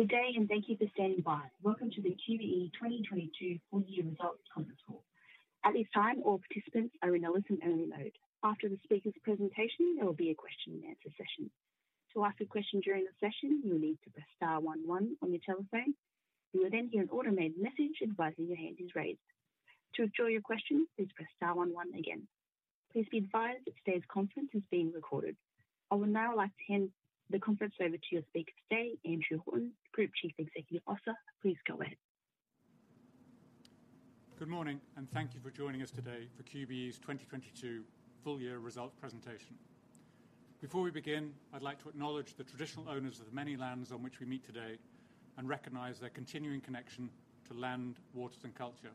Good day. Thank you for standing by. Welcome to the QBE 2022 full year results conference call. At this time, all participants are in a listen-only mode. After the speaker's presentation, there will be a question and answer session. To ask a question during the session, you will need to press star one one on your telephone. You will then hear an automated message advising your hand is raised. To withdraw your question, please press star one one again. Please be advised that today's conference is being recorded. I would now like to hand the conference over to your speaker today, Andrew Horton, Group Chief Executive Officer. Please go ahead. Good morning. Thank you for joining us today for QBE's 2022 full year result presentation. Before we begin, I'd like to acknowledge the traditional owners of the many lands on which we meet today and recognize their continuing connection to land, waters, and culture.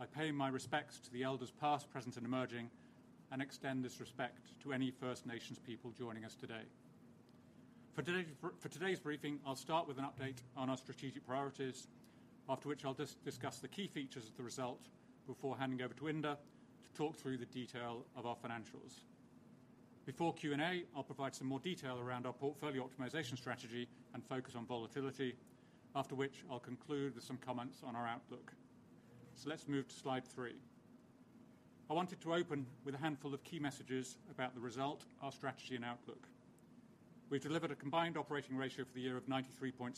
I pay my respects to the elders past, present, and emerging, and extend this respect to any First Nations people joining us today. For today's briefing, I'll start with an update on our strategic priorities. After which I'll discuss the key features of the result before handing over to Inder to talk through the detail of our financials. Before Q&A, I'll provide some more detail around our portfolio optimization strategy and focus on volatility. After which I'll conclude with some comments on our outlook. Let's move to Slide three. I wanted to open with a handful of key messages about the result, our strategy, and outlook. We've delivered a combined operating ratio for the year of 93.7%.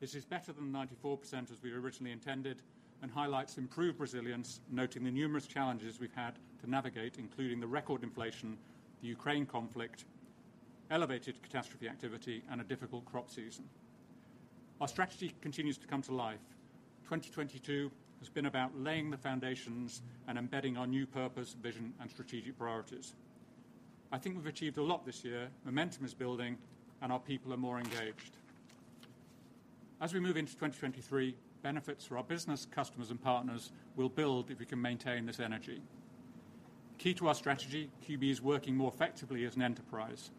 This is better than 94% as we originally intended and highlights improved resilience, noting the numerous challenges we've had to navigate, including the record inflation, the Ukraine conflict, elevated catastrophe activity, and a difficult crop season. Our strategy continues to come to life. 2022 has been about laying the foundations and embedding our new purpose, vision, and strategic priorities. I think we've achieved a lot this year. Momentum is building, and our people are more engaged. As we move into 2023, benefits for our business, customers, and partners will build if we can maintain this energy. Key to our strategy, QBE is working more effectively as an enterprise.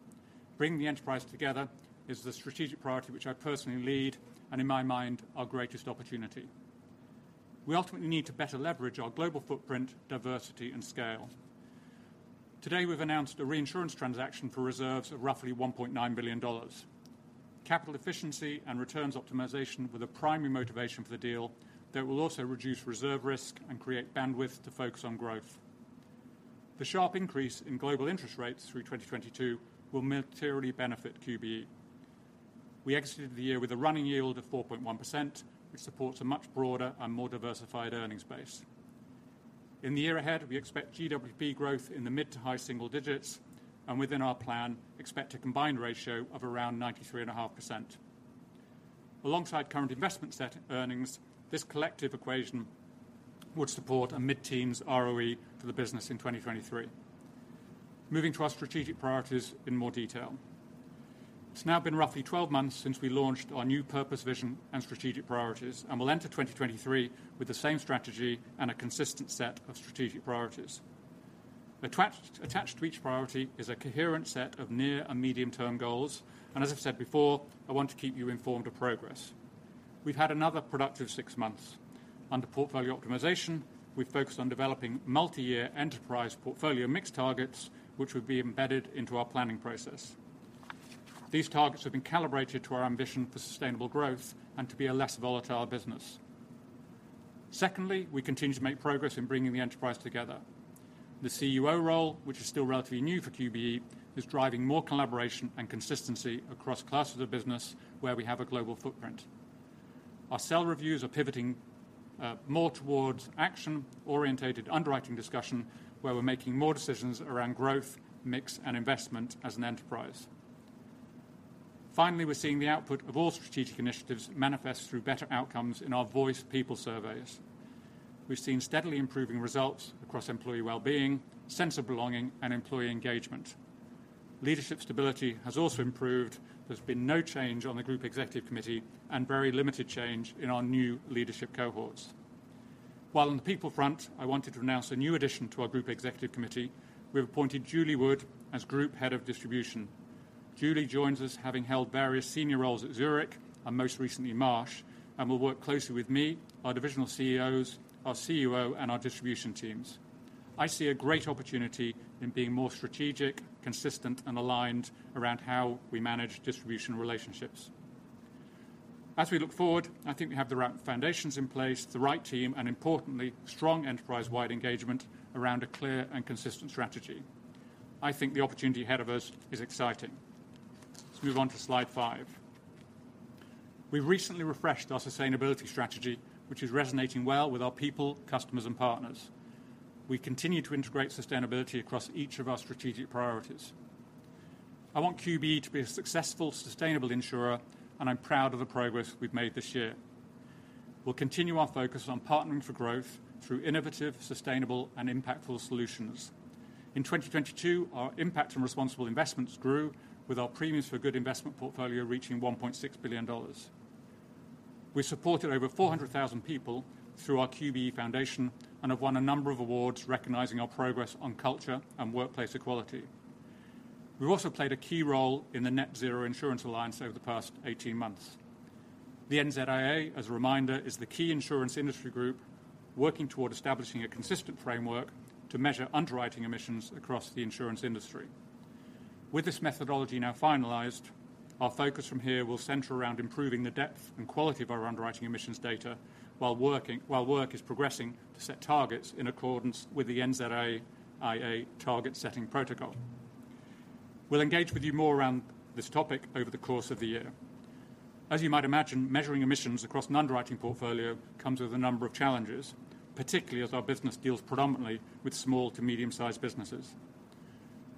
Bringing the enterprise together is the strategic priority which I personally lead, and in my mind, our greatest opportunity. We ultimately need to better leverage our global footprint, diversity, and scale. Today, we've announced a reinsurance transaction for reserves of roughly $1.9 billion. Capital efficiency and returns optimization were the primary motivation for the deal that will also reduce reserve risk and create bandwidth to focus on growth. The sharp increase in global interest rates through 2022 will materially benefit QBE. We exited the year with a running yield of 4.1%, which supports a much broader and more diversified earnings base. In the year ahead, we expect GWP growth in the mid to high single digits, and within our plan, expect a combined ratio of around 93.5%. Alongside current investment set earnings, this collective equation would support a mid-teens ROE for the business in 2023. Moving to our strategic priorities in more detail. It's now been roughly 12 months since we launched our new purpose, vision, and strategic priorities, and we'll enter 2023 with the same strategy and a consistent set of strategic priorities. Attached to each priority is a coherent set of near and medium-term goals, and as I've said before, I want to keep you informed of progress. We've had another productive 6 months. Under portfolio optimization, we've focused on developing multi-year enterprise portfolio mix targets, which would be embedded into our planning process. These targets have been calibrated to our ambition for sustainable growth and to be a less volatile business. Secondly, we continue to make progress in bringing the enterprise together. The CUO role, which is still relatively new for QBE, is driving more collaboration and consistency across classes of business where we have a global footprint. Our cell reviews are pivoting more towards action-orientated underwriting discussion, where we're making more decisions around growth, mix, and investment as an enterprise. Finally, we're seeing the output of all strategic initiatives manifest through better outcomes in our Voice People Surveys. We've seen steadily improving results across employee wellbeing, sense of belonging, and employee engagement. Leadership stability has also improved. There's been no change on the Group Executive Committee and very limited change in our new leadership cohorts. On the people front, I wanted to announce a new addition to our Group Executive Committee. We've appointed Julie Wood as Group Head of Distribution. Julie joins us, having held various senior roles at Zurich and most recently Marsh, and will work closely with me, our divisional CEOs, our CUO, and our distribution teams. I see a great opportunity in being more strategic, consistent, and aligned around how we manage distribution relationships. As we look forward, I think we have the right foundations in place, the right team, and importantly, strong enterprise-wide engagement around a clear and consistent strategy. I think the opportunity ahead of us is exciting. Let's move on to Slide five. We recently refreshed our sustainability strategy, which is resonating well with our people, customers, and partners. We continue to integrate sustainability across each of our strategic priorities. I want QBE to be a successful, sustainable insurer, and I'm proud of the progress we've made this year. We'll continue our focus on partnering for growth through innovative, sustainable, and impactful solutions. In 2022, our impact and responsible investments grew with our Premiums4Good investment portfolio reaching $1.6 billion. We supported over 400,000 people through our QBE Foundation and have won a number of awards recognizing our progress on culture and workplace equality. We've also played a key role in the Net-Zero Insurance Alliance over the past 18 months. The NZIA, as a reminder, is the key insurance industry group working toward establishing a consistent framework to measure underwriting emissions across the insurance industry. With this methodology now finalized, our focus from here will center around improving the depth and quality of our underwriting emissions data while work is progressing to set targets in accordance with the NZIA target-setting protocol. We'll engage with you more around this topic over the course of the year. As you might imagine, measuring emissions across an underwriting portfolio comes with a number of challenges, particularly as our business deals predominantly with small to medium-sized businesses.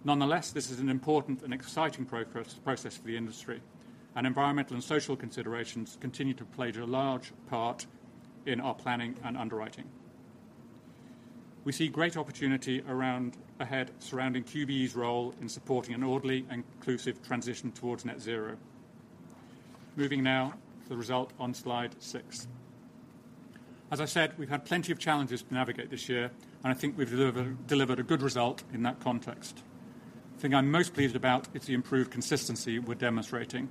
Nonetheless, this is an important and exciting process for the industry, and environmental and social considerations continue to play a large part in our planning and underwriting. We see great opportunity around ahead surrounding QBE's role in supporting an orderly and inclusive transition towards net zero. Moving now to the result on Slide six. As I said, we've had plenty of challenges to navigate this year, and I think we've delivered a good result in that context. The thing I'm most pleased about is the improved consistency we're demonstrating.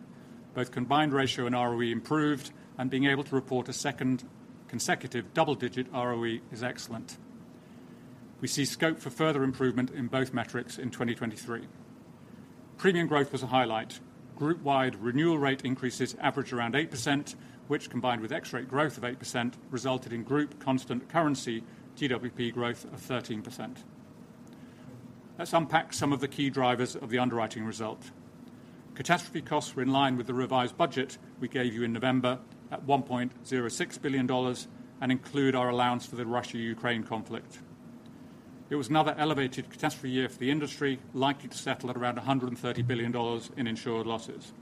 Both combined ratio and ROE improved, and being able to report a second consecutive double-digit ROE is excellent. We see scope for further improvement in both metrics in 2023. Premium growth was a highlight. Group-wide renewal rate increases average around 8%, which combined with ex-cat growth of 8%, resulted in group constant currency GWP growth of 13%. Let's unpack some of the key drivers of the underwriting result. Catastrophe costs were in line with the revised budget we gave you in November at $1.06 billion and include our allowance for the Russia-Ukraine conflict. It was another elevated catastrophe year for the industry, likely to settle at around $130 billion in insured losses.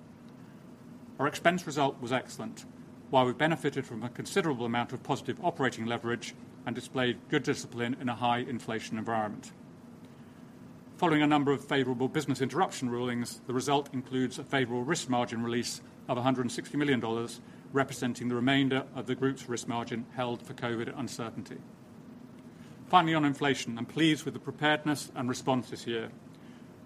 Our expense result was excellent, while we benefited from a considerable amount of positive operating leverage and displayed good discipline in a high inflation environment. Following a number of favorable business interruption rulings, the result includes a favorable risk margin release of $160 million, representing the remainder of the group's risk margin held for COVID uncertainty. Finally, on inflation, I'm pleased with the preparedness and response this year.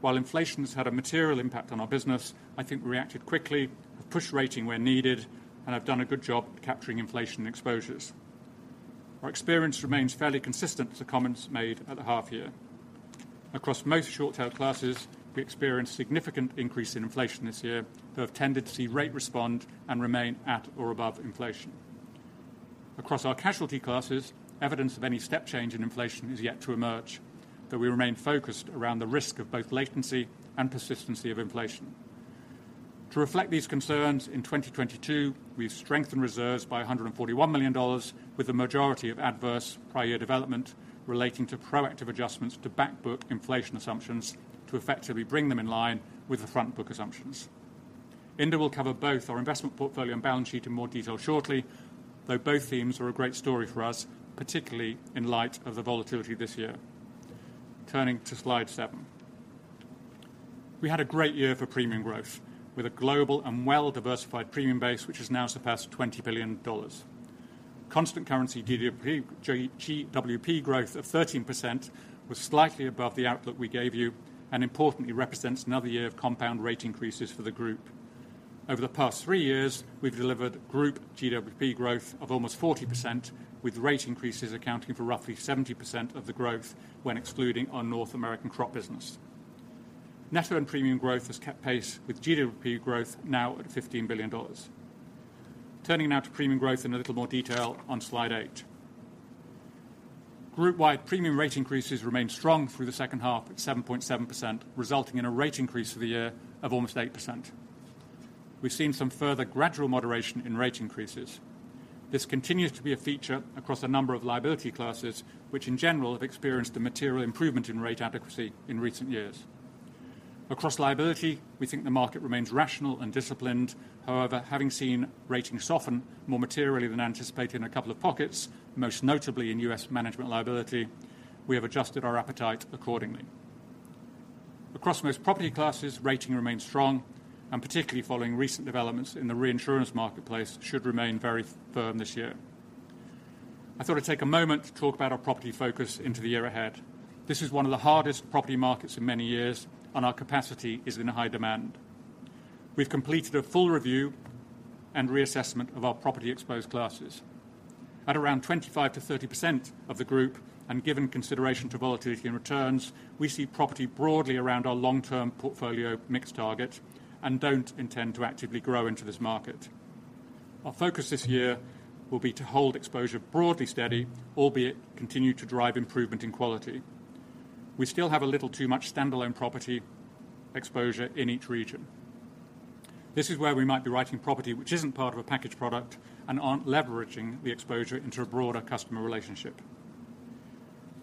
While inflation's had a material impact on our business, I think we reacted quickly, have pushed rating where needed, and have done a good job capturing inflation exposures. Our experience remains fairly consistent to comments made at the half year. Across most short tail classes, we experienced significant increase in inflation this year that have tended to see rate respond and remain at or above inflation. Across our casualty classes, evidence of any step change in inflation is yet to emerge, though we remain focused around the risk of both latency and persistency of inflation. To reflect these concerns, in 2022, we've strengthened reserves by $141 million, with the majority of adverse prior year development relating to proactive adjustments to back book inflation assumptions to effectively bring them in line with the front book assumptions. Inder will cover both our investment portfolio and balance sheet in more detail shortly, though both themes are a great story for us, particularly in light of the volatility this year. Turning to Slide seven. We had a great year for premium growth with a global and well-diversified premium base, which has now surpassed $20 billion. Constant currency GWP growth of 13% was slightly above the outlook we gave you. Importantly, represents another year of compound rate increases for the group. Over the past three years, we've delivered group GWP growth of almost 40%, with rate increases accounting for roughly 70% of the growth when excluding our North American crop business. Net written premium growth has kept pace with GWP growth now at $15 billion. Turning now to premium growth in a little more detail on Slide eight. Group-wide premium rate increases remained strong through the second half at 7.7%, resulting in a rate increase for the year of almost 8%. We've seen some further gradual moderation in rate increases. This continues to be a feature across a number of liability classes, which in general have experienced a material improvement in rate adequacy in recent years. Across liability, we think the market remains rational and disciplined. However, having seen rating soften more materially than anticipated in a couple of pockets, most notably in U.S. management liability, we have adjusted our appetite accordingly. Across most property classes, rating remains strong, and particularly following recent developments in the reinsurance marketplace, should remain very firm this year. I thought I'd take a moment to talk about our property focus into the year ahead. This is one of the hardest property markets in many years, and our capacity is in high demand. We've completed a full review and reassessment of our property exposed classes. At around 25%-30% of the group and given consideration to volatility and returns, we see property broadly around our long-term portfolio mix target and don't intend to actively grow into this market. Our focus this year will be to hold exposure broadly steady, albeit continue to drive improvement in quality. We still have a little too much standalone property exposure in each region. This is where we might be writing property which isn't part of a package product and aren't leveraging the exposure into a broader customer relationship.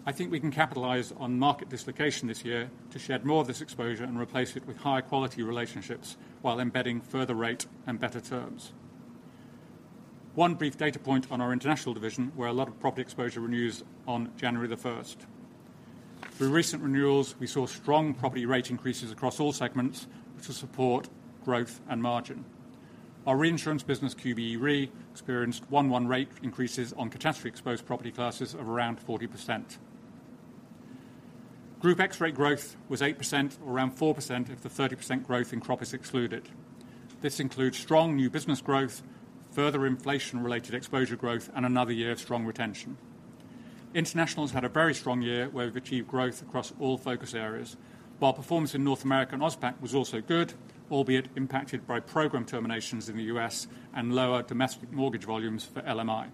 I think we can capitalize on market dislocation this year to shed more of this exposure and replace it with higher quality relationships while embedding further rate and better terms. One brief data point on our international division, where a lot of property exposure renews on January 1st. Through recent renewals, we saw strong property rate increases across all segments to support growth and margin. Our reinsurance business, QBE Re, experienced one rate increases on catastrophe exposed property classes of around 40%. Group X-rate growth was 8% or around 4% if the 30% growth in crop is excluded. This includes strong new business growth, further inflation related exposure growth, and another year of strong retention. Internationals had a very strong year where we've achieved growth across all focus areas, while performance in North America and Auspac was also good, albeit impacted by program terminations in the U.S. and lower domestic mortgage volumes for LMI.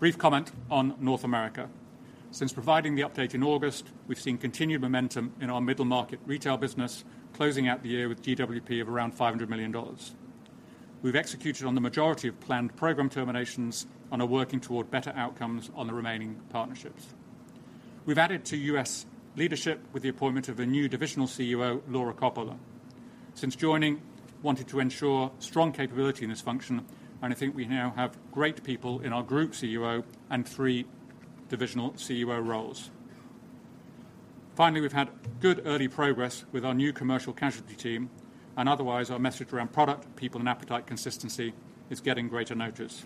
Brief comment on North America. Since providing the update in August, we've seen continued momentum in our middle market retail business closing out the year with GWP of around $500 million. We've executed on the majority of planned program terminations and are working toward better outcomes on the remaining partnerships. We've added to U.S. leadership with the appointment of a new divisional CEO, Laura Coppola. Since joining, wanted to ensure strong capability in this function, and I think we now have great people in our group CEO and three divisional CEO roles. Finally, we've had good early progress with our new commercial casualty team and otherwise our message around product, people, and appetite consistency is getting greater notice.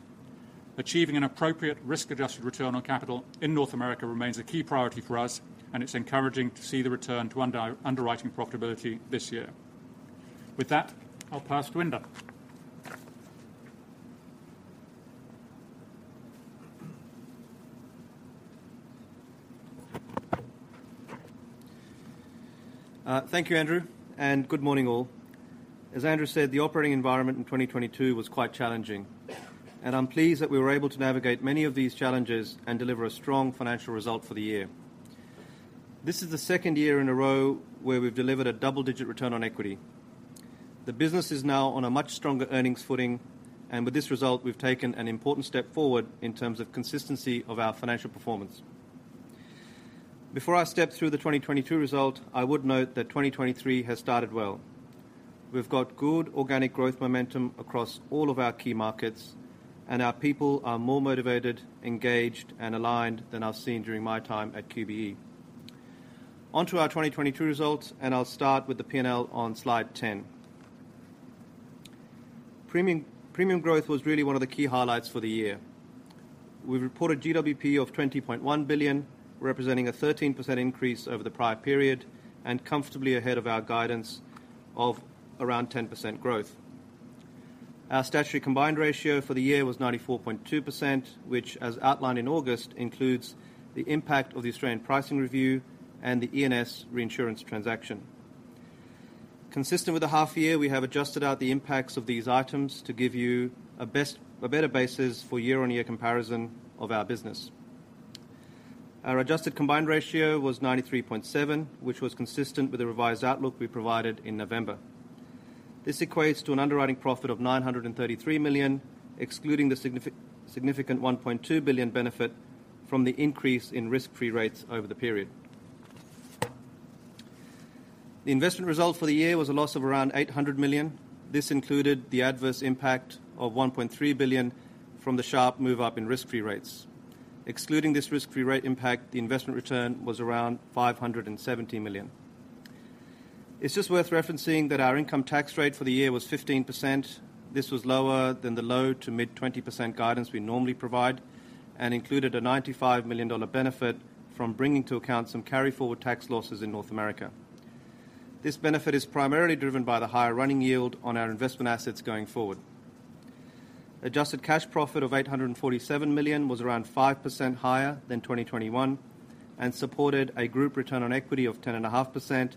Achieving an appropriate risk adjusted return on capital in North America remains a key priority for us, and it's encouraging to see the return to underwriting profitability this year. With that, I'll pass to Inder. Thank you, Andrew. Good morning all. As Andrew said, the operating environment in 2022 was quite challenging. I'm pleased that we were able to navigate many of these challenges and deliver a strong financial result for the year. This is the second year in a row where we've delivered a double-digit return on equity. The business is now on a much stronger earnings footing. With this result, we've taken an important step forward in terms of consistency of our financial performance. Before I step through the 2022 result, I would note that 2023 has started well. We've got good organic growth momentum across all of our key markets. Our people are more motivated, engaged, and aligned than I've seen during my time at QBE. On to our 2022 results. I'll start with the P&L on Slide 10. Premium growth was really one of the key highlights for the year. We reported GWP of $20.1 billion, representing a 13% increase over the prior period and comfortably ahead of our guidance of around 10% growth. Our statutory combined ratio for the year was 94.2%, which as outlined in August, includes the impact of the Australian pricing review and the ENS reinsurance transaction. Consistent with the half year, we have adjusted out the impacts of these items to give you a better basis for year-on-year comparison of our business. Our adjusted combined ratio was 93.7%, which was consistent with the revised outlook we provided in November. This equates to an underwriting profit of $933 million, excluding the significant $1.2 billion benefit from the increase in risk-free rates over the period. The investment result for the year was a loss of around $800 million. This included the adverse impact of $1.3 billion from the sharp move up in risk-free rates. Excluding this risk-free rate impact, the investment return was around $570 million. It's just worth referencing that our income tax rate for the year was 15%. This was lower than the low to mid 20% guidance we normally provide and included a $95 million benefit from bringing to account some carry forward tax losses in North America. This benefit is primarily driven by the higher running yield on our investment assets going forward. Adjusted cash profit of $847 million was around 5% higher than 2021 and supported a group return on equity of 10.5%.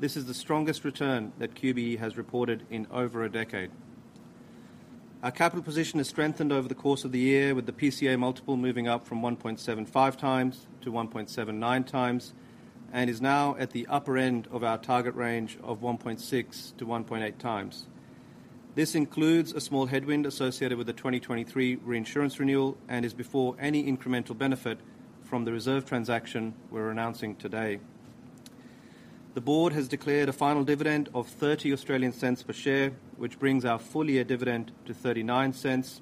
This is the strongest return that QBE has reported in over a decade. Our capital position has strengthened over the course of the year with the PCA multiple moving up from 1.75 times to 1.79 times, and is now at the upper end of our target range of 1.6-1.8 times. This includes a small headwind associated with the 2023 reinsurance renewal and is before any incremental benefit from the reserve transaction we're announcing today. The board has declared a final dividend of 0.30 per share, which brings our full year dividend to 0.39.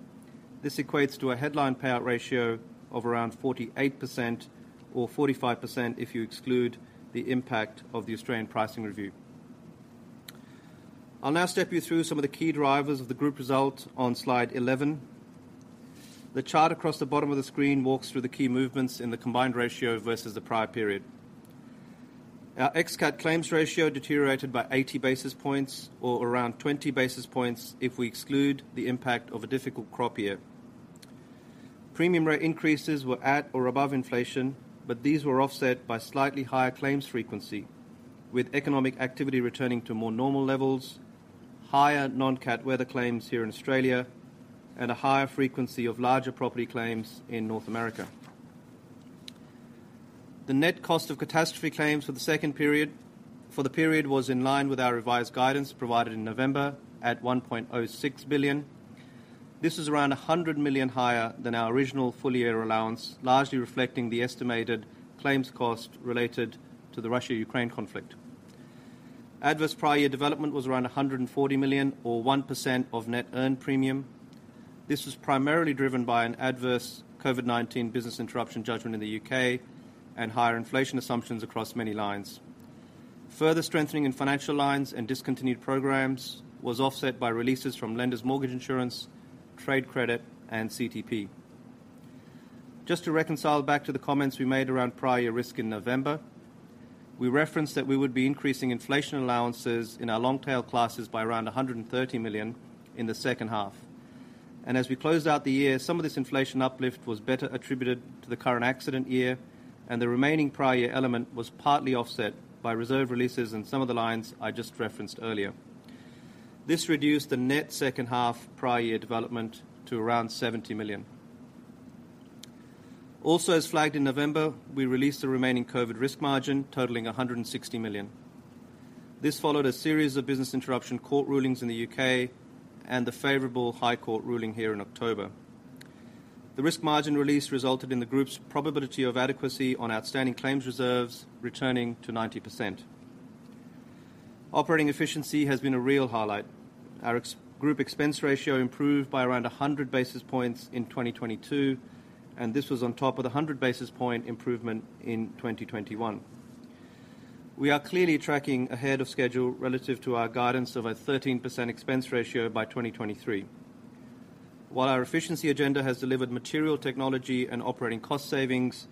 This equates to a headline payout ratio of around 48% or 45% if you exclude the impact of the Australian pricing review. I'll now step you through some of the key drivers of the group result on Slide 11. The chart across the bottom of the screen walks through the key movements in the combined ratio versus the prior period. Our ex-cat claims ratio deteriorated by 80 basis points or around 20 basis points if we exclude the impact of a difficult crop year. Premium rate increases were at or above inflation, but these were offset by slightly higher claims frequency with economic activity returning to more normal levels, higher non-CAT weather claims here in Australia, and a higher frequency of larger property claims in North America. The net cost of catastrophe claims for the period was in line with our revised guidance provided in November at $1.06 billion. This is around $100 million higher than our original full year allowance, largely reflecting the estimated claims cost related to the Russia-Ukraine conflict. Adverse prior year development was around $140 million or 1% of net earned premium. This was primarily driven by an adverse COVID-19 business interruption judgment in the U.K. and higher inflation assumptions across many lines. Further strengthening in financial lines and discontinued programs was offset by releases from Lenders' Mortgage Insurance, trade credit, and CTP. Just to reconcile back to the comments we made around prior risk in November, we referenced that we would be increasing inflation allowances in our long tail classes by around $130 million in the second half. As we closed out the year, some of this inflation uplift was better attributed to the current accident year, and the remaining prior year element was partly offset by reserve releases in some of the lines I just referenced earlier. This reduced the net second half prior year development to around $70 million. As flagged in November, we released the remaining COVID risk margin totaling $160 million. This followed a series of business interruption court rulings in the U.K. and the favorable High Court ruling here in October. The risk margin release resulted in the group's probability of adequacy on outstanding claims reserves returning to 90%. Operating efficiency has been a real highlight. Our ex- group expense ratio improved by around 100 basis points in 2022, and this was on top of the 100 basis point improvement in 2021. We are clearly tracking ahead of schedule relative to our guidance of a 13% expense ratio by 2023. While our efficiency agenda has delivered material technology and operating cost savings,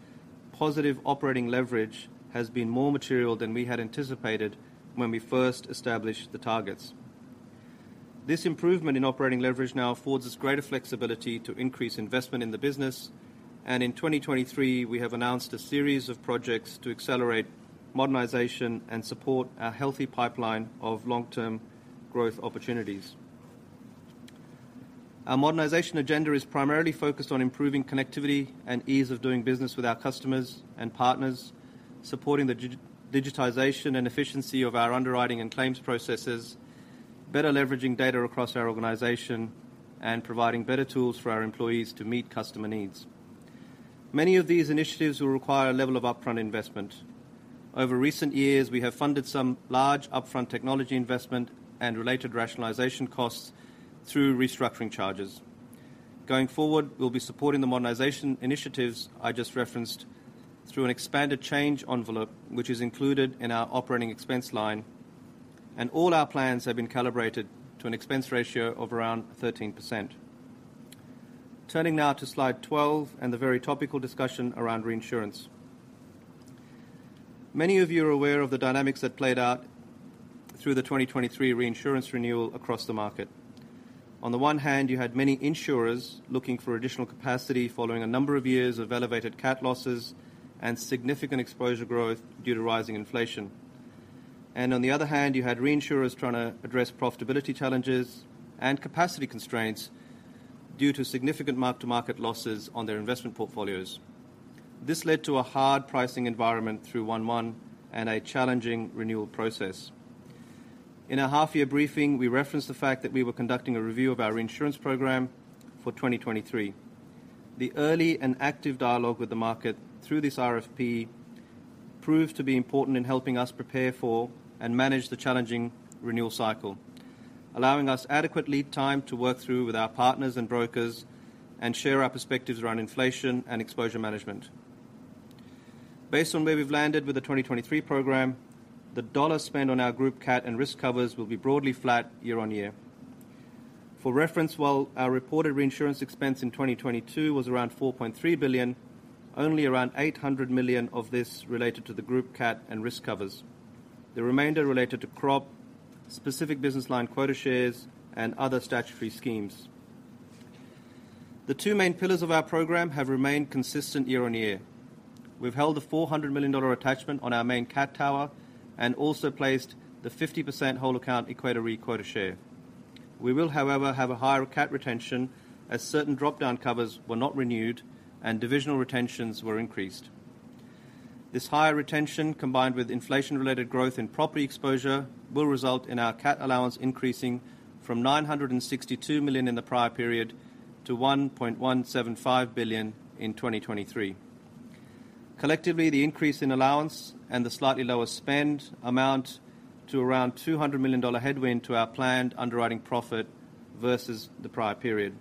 positive operating leverage has been more material than we had anticipated when we first established the targets. This improvement in operating leverage now affords us greater flexibility to increase investment in the business. In 2023, we have announced a series of projects to accelerate modernization and support our healthy pipeline of long-term growth opportunities. Our modernization agenda is primarily focused on improving connectivity and ease of doing business with our customers and partners, supporting the digitization and efficiency of our underwriting and claims processes, better leveraging data across our organization, and providing better tools for our employees to meet customer needs. Many of these initiatives will require a level of upfront investment. Over recent years, we have funded some large upfront technology investment and related rationalization costs through restructuring charges. Going forward, we'll be supporting the modernization initiatives I just referenced through an expanded change envelope, which is included in our operating expense line, and all our plans have been calibrated to an expense ratio of around 13%. Turning now to Slide 12 and the very topical discussion around reinsurance. Many of you are aware of the dynamics that played out through the 2023 reinsurance renewal across the market. On the one hand, you had many insurers looking for additional capacity following a number of years of elevated cat losses and significant exposure growth due to rising inflation. On the other hand, you had reinsurers trying to address profitability challenges and capacity constraints due to significant mark-to-market losses on their investment portfolios. This led to a hard pricing environment through one-one and a challenging renewal process. In our half year briefing, we referenced the fact that we were conducting a review of our reinsurance program for 2023. The early and active dialogue with the market through this RFP proved to be important in helping us prepare for and manage the challenging renewal cycle, allowing us adequate lead time to work through with our partners and brokers and share our perspectives around inflation and exposure management. Based on where we've landed with the 2023 program, the dollar spent on our group cat and risk covers will be broadly flat year-on-year. For reference, while our reported reinsurance expense in 2022 was around $4.3 billion, only around $800 million of this related to the group cat and risk covers. The remainder related to crop, specific business line quota shares, and other statutory schemes. The two main pillars of our program have remained consistent year-on-year. We've held a $400 million attachment on our main cat tower and also placed the 50% whole account Equator Re quota share. We will, however, have a higher cat retention as certain dropdown covers were not renewed and divisional retentions were increased. This higher retention, combined with inflation-related growth in property exposure, will result in our cat allowance increasing from $962 million in the prior period to $1.175 billion in 2023. Collectively, the increase in allowance and the slightly lower spend amount to around $200 million headwind to our planned underwriting profit versus the prior period.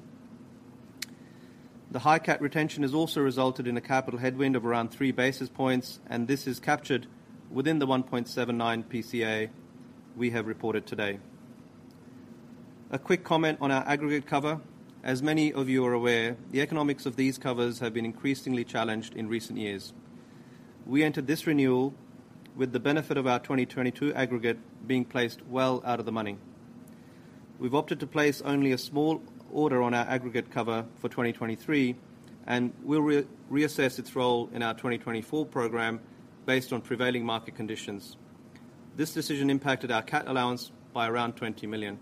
The high cat retention has also resulted in a capital headwind of around 3 basis points, and this is captured within the 1.79 PCA we have reported today. A quick comment on our aggregate cover. As many of you are aware, the economics of these covers have been increasingly challenged in recent years. We entered this renewal with the benefit of our 2022 aggregate being placed well out of the money. We've opted to place only a small order on our aggregate cover for 2023, and we'll reassess its role in our 2024 program based on prevailing market conditions. This decision impacted our cat allowance by around $20 million.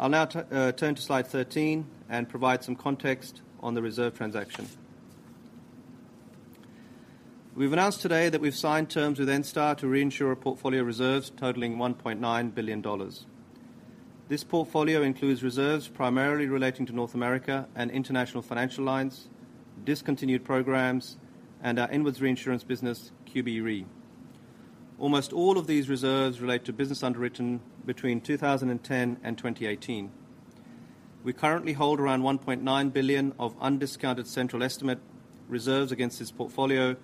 I'll now turn to Slide 13 and provide some context on the reserve transaction. We've announced today that we've signed terms with Enstar to reinsure our portfolio reserves totaling $1.9 billion. This portfolio includes reserves primarily relating to North America and international financial lines, discontinued programs, and our inwards reinsurance business, QBE Re. Almost all of these reserves relate to business underwritten between 2010 and 2018. We currently hold around $1.9 billion of undiscounted central estimate reserves against this portfolio.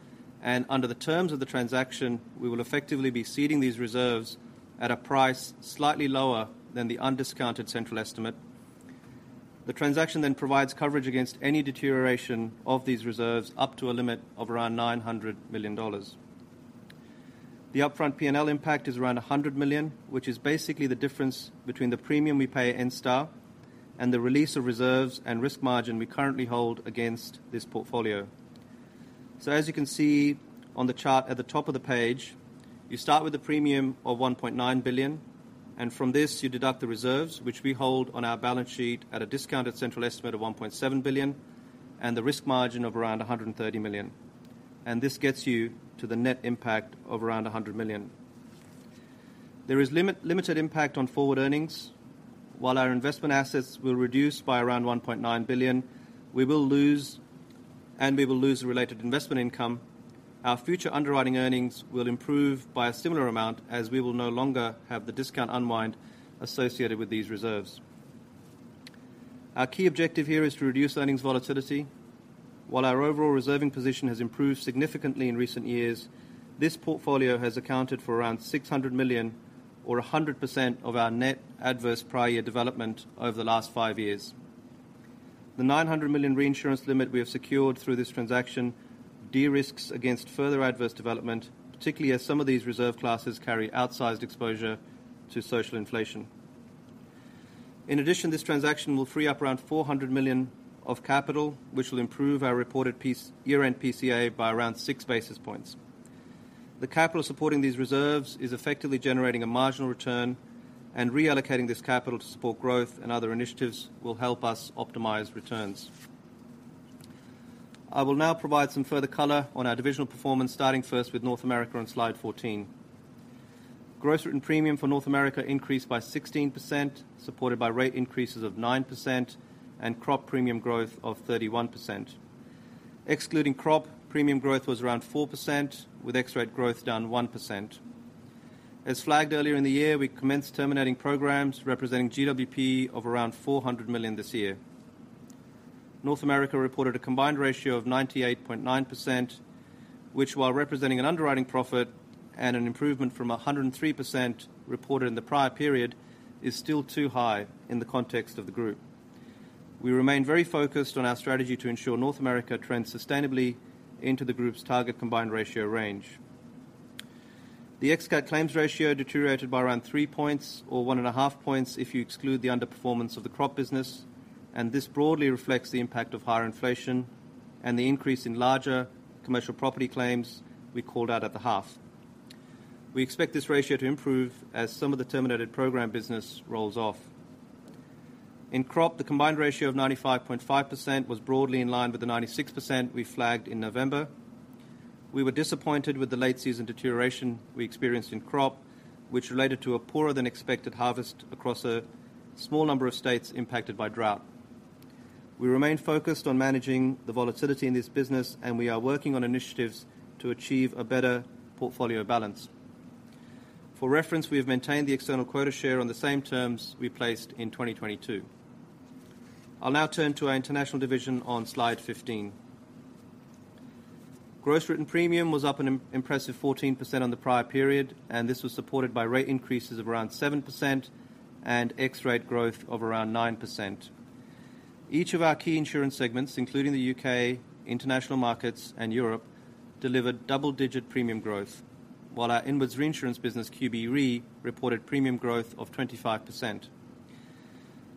Under the terms of the transaction, we will effectively be ceding these reserves at a price slightly lower than the undiscounted central estimate. The transaction provides coverage against any deterioration of these reserves up to a limit of around $900 million. The upfront P&L impact is around $100 million, which is basically the difference between the premium we pay Enstar and the release of reserves and risk margin we currently hold against this portfolio. As you can see on the chart at the top of the page, you start with a premium of $1.9 billion, and from this you deduct the reserves, which we hold on our balance sheet at a discounted central estimate of $1.7 billion, and the risk margin of around $130 million. This gets you to the net impact of around $100 million. There is limit-limited impact on forward earnings. While our investment assets will reduce by around $1.9 billion, we will lose, and we will lose the related investment income. Our future underwriting earnings will improve by a similar amount as we will no longer have the discount unwind associated with these reserves. Our key objective here is to reduce earnings volatility. While our overall reserving position has improved significantly in recent years, this portfolio has accounted for around $600 million or 100% of our net adverse prior year development over the last five years. The $900 million reinsurance limit we have secured through this transaction de-risks against further adverse development, particularly as some of these reserve classes carry outsized exposure to social inflation. This transaction will free up around $400 million of capital, which will improve our reported piece year-end PCA by around six basis points. The capital supporting these reserves is effectively generating a marginal return, reallocating this capital to support growth and other initiatives will help us optimize returns. I will now provide some further color on our divisional performance, starting first with North America on Slide 14. Gross written premium for North America increased by 16%, supported by rate increases of 9% and crop premium growth of 31%. Excluding crop, premium growth was around 4%, with X-rate growth down 1%. As flagged earlier in the year, we commenced terminating programs representing GWP of around $400 million this year. North America reported a combined ratio of 98.9%, which, while representing an underwriting profit and an improvement from 103% reported in the prior period, is still too high in the context of the group. We remain very focused on our strategy to ensure North America trends sustainably into the group's target combined ratio range. The ex-cat claims ratio deteriorated by around three points or 1.5 points if you exclude the underperformance of the crop business. This broadly reflects the impact of higher inflation and the increase in larger commercial property claims we called out at the half. We expect this ratio to improve as some of the terminated program business rolls off. In crop, the combined ratio of 95.5% was broadly in line with the 96% we flagged in November. We were disappointed with the late season deterioration we experienced in crop, which related to a poorer than expected harvest across a small number of states impacted by drought. We remain focused on managing the volatility in this business, and we are working on initiatives to achieve a better portfolio balance. For reference, we have maintained the external quota share on the same terms we placed in 2022. I'll now turn to our international division on Slide 15. Gross written premium was up an impressive 14% on the prior period. This was supported by rate increases of around 7% and X-rate growth of around 9%. Each of our key insurance segments, including the UK, international markets, and Europe, delivered double-digit premium growth, while our inwards reinsurance business, QBE Re, reported premium growth of 25%.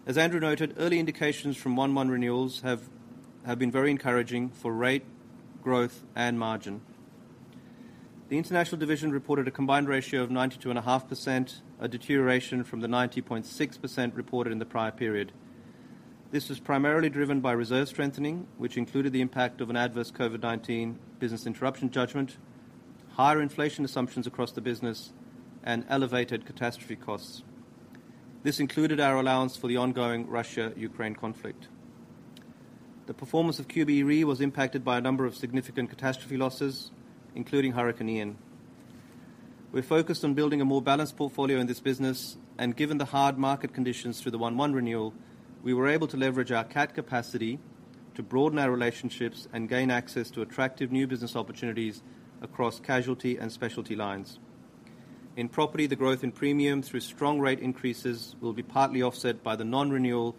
As Andrew noted, early indications from 1/1 renewals have been very encouraging for rate, growth, and margin. The international division reported a combined ratio of 92.5%, a deterioration from the 90.6% reported in the prior period. This was primarily driven by reserve strengthening, which included the impact of an adverse COVID-19 business interruption judgment, higher inflation assumptions across the business, and elevated catastrophe costs. This included our allowance for the ongoing Russia-Ukraine conflict. The performance of QBE Re was impacted by a number of significant catastrophe losses, including Hurricane Ian. We're focused on building a more balanced portfolio in this business, and given the hard market conditions through the one-one renewal, we were able to leverage our CAT capacity to broaden our relationships and gain access to attractive new business opportunities across casualty and specialty lines. In property, the growth in premium through strong rate increases will be partly offset by the non-renewal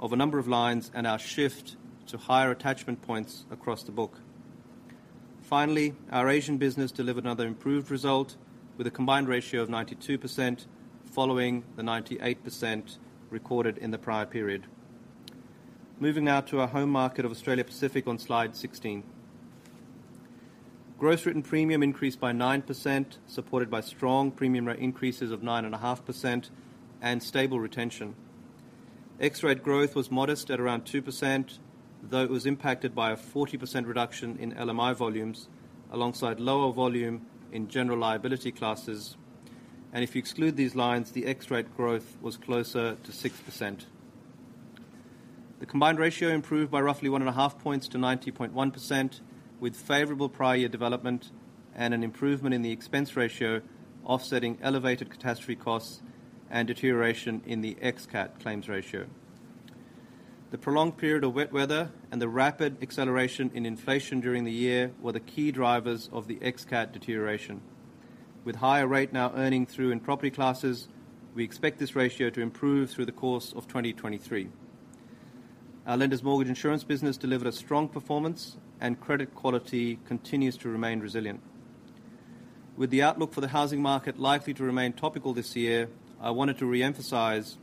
of a number of lines and our shift to higher attachment points across the book. Our Asian business delivered another improved result with a combined ratio of 92% following the 98% recorded in the prior period. Moving now to our home market of Australia Pacific on Slide 16. Gross written premium increased by 9%, supported by strong premium rate increases of 9.5% and stable retention. X-rate growth was modest at around 2%, though it was impacted by a 40% reduction in LMI volumes alongside lower volume in general liability classes. If you exclude these lines, the X-rate growth was closer to 6%. The combined ratio improved by roughly 1.5 points to 90.1% with favorable prior year development and an improvement in the expense ratio offsetting elevated catastrophe costs and deterioration in the ex-cat claims ratio. The prolonged period of wet weather and the rapid acceleration in inflation during the year were the key drivers of the Ex-Cat deterioration. With higher rate now earning through in property classes, we expect this ratio to improve through the course of 2023. Our Lenders' Mortgage Insurance business delivered a strong performance and credit quality continues to remain resilient. With the outlook for the housing market likely to remain topical this year, I wanted to re-emphasize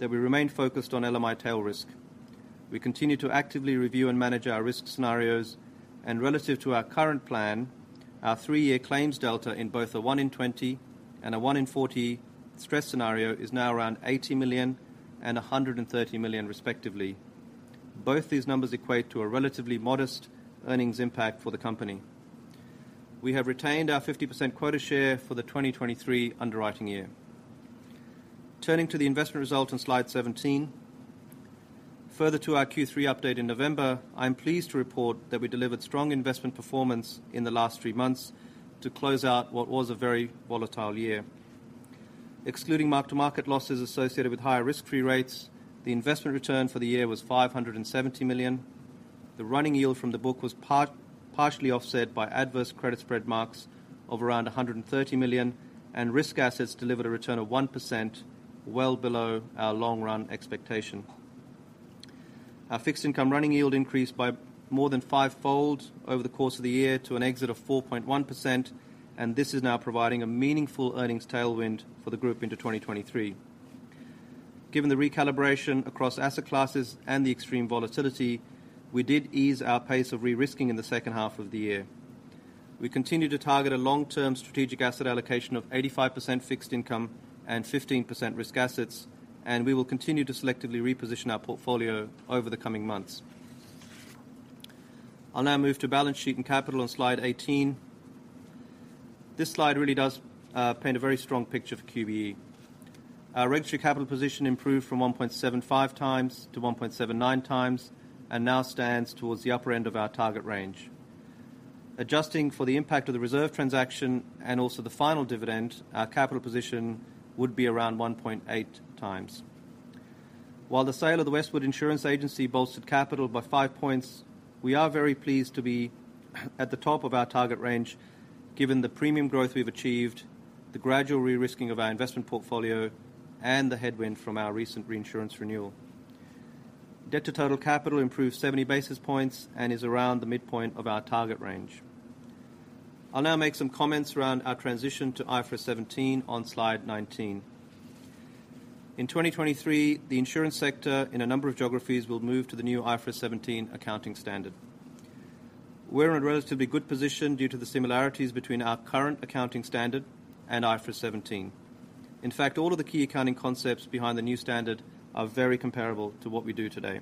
that we remain focused on LMI tail risk. We continue to actively review and manage our risk scenarios and relative to our current plan, our three-year claims delta in both the 1 in 20 and a 1 in 40 stress scenario is now around $80 million and $130 million respectively. Both these numbers equate to a relatively modest earnings impact for the company. We have retained our 50% quota share for the 2023 underwriting year. Turning to the investment result on Slide 17. Further to our Q3 update in November, I am pleased to report that we delivered strong investment performance in the last 3 months to close out what was a very volatile year. Excluding mark-to-market losses associated with higher risk-free rates, the investment return for the year was $570 million. The running yield from the book was partially offset by adverse credit spread marks of around $130 million. Risk assets delivered a return of 1%, well below our long-run expectation. Our fixed income running yield increased by more than five-fold over the course of the year to an exit of 4.1%. This is now providing a meaningful earnings tailwind for the group into 2023. Given the recalibration across asset classes and the extreme volatility, we did ease our pace of re-risking in the second half of the year. We continue to target a long-term strategic asset allocation of 85% fixed income and 15% risk assets, and we will continue to selectively reposition our portfolio over the coming months. I'll now move to balance sheet and capital on Slide 18. This slide really does paint a very strong picture for QBE. Our registry capital position improved from 1.75 times to 1.79 times and now stands towards the upper end of our target range. Adjusting for the impact of the reserve transaction and also the final dividend, our capital position would be around 1.8 times. While the sale of the Westwood Insurance Agency bolstered capital by 5 points, we are very pleased to be at the top of our target range given the premium growth we've achieved, the gradual re-risking of our investment portfolio, and the headwind from our recent reinsurance renewal. Debt to total capital improved 70 basis points and is around the midpoint of our target range. I'll now make some comments around our transition to IFRS 17 on Slide 19. In 2023, the insurance sector in a number of geographies will move to the new IFRS 17 accounting standard. We're in a relatively good position due to the similarities between our current accounting standard and IFRS 17. In fact, all of the key accounting concepts behind the new standard are very comparable to what we do today.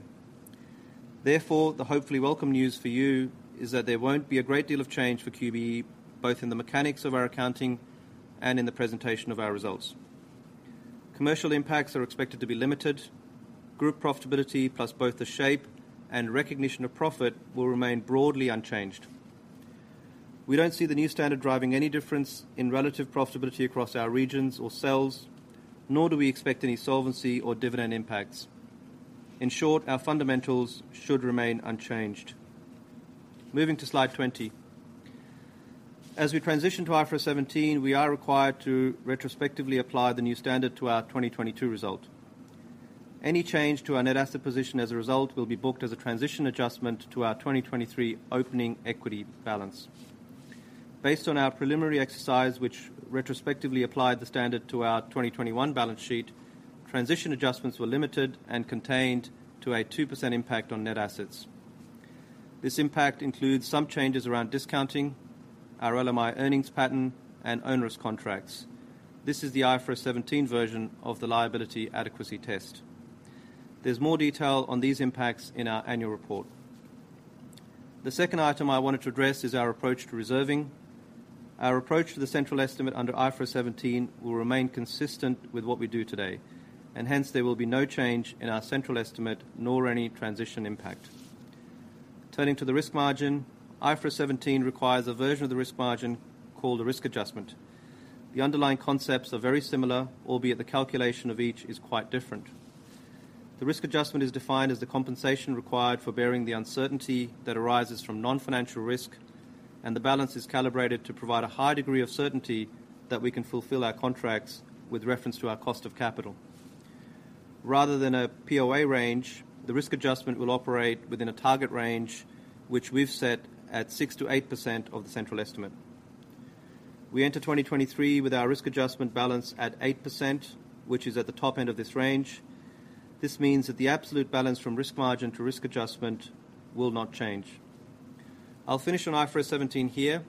The hopefully welcome news for you is that there won't be a great deal of change for QBE, both in the mechanics of our accounting and in the presentation of our results. Commercial impacts are expected to be limited. Group profitability, plus both the shape and recognition of profit will remain broadly unchanged. We don't see the new standard driving any difference in relative profitability across our regions or sales, nor do we expect any solvency or dividend impacts. In short, our fundamentals should remain unchanged. Moving to Slide 20. As we transition to IFRS 17, we are required to retrospectively apply the new standard to our 2022 result. Any change to our net asset position as a result will be booked as a transition adjustment to our 2023 opening equity balance. Based on our preliminary exercise, which retrospectively applied the standard to our 2021 balance sheet, transition adjustments were limited and contained to a 2% impact on net assets. This impact includes some changes around discounting, our LMI earnings pattern, and onerous contracts. This is the IFRS 17 version of the liability adequacy test. There's more detail on these impacts in our annual report. The second item I wanted to address is our approach to reserving. Our approach to the central estimate under IFRS 17 will remain consistent with what we do today. Hence, there will be no change in our central estimate nor any transition impact. Turning to the risk margin, IFRS 17 requires a version of the risk margin called a risk adjustment. The underlying concepts are very similar, albeit the calculation of each is quite different. The risk adjustment is defined as the compensation required for bearing the uncertainty that arises from non-financial risk, and the balance is calibrated to provide a high degree of certainty that we can fulfill our contracts with reference to our cost of capital. Rather than a POA range, the risk adjustment will operate within a target range, which we've set at 6%-8% of the central estimate. We enter 2023 with our risk adjustment balance at 8%, which is at the top end of this range. This means that the absolute balance from risk margin to risk adjustment will not change. I'll finish on IFRS 17 here.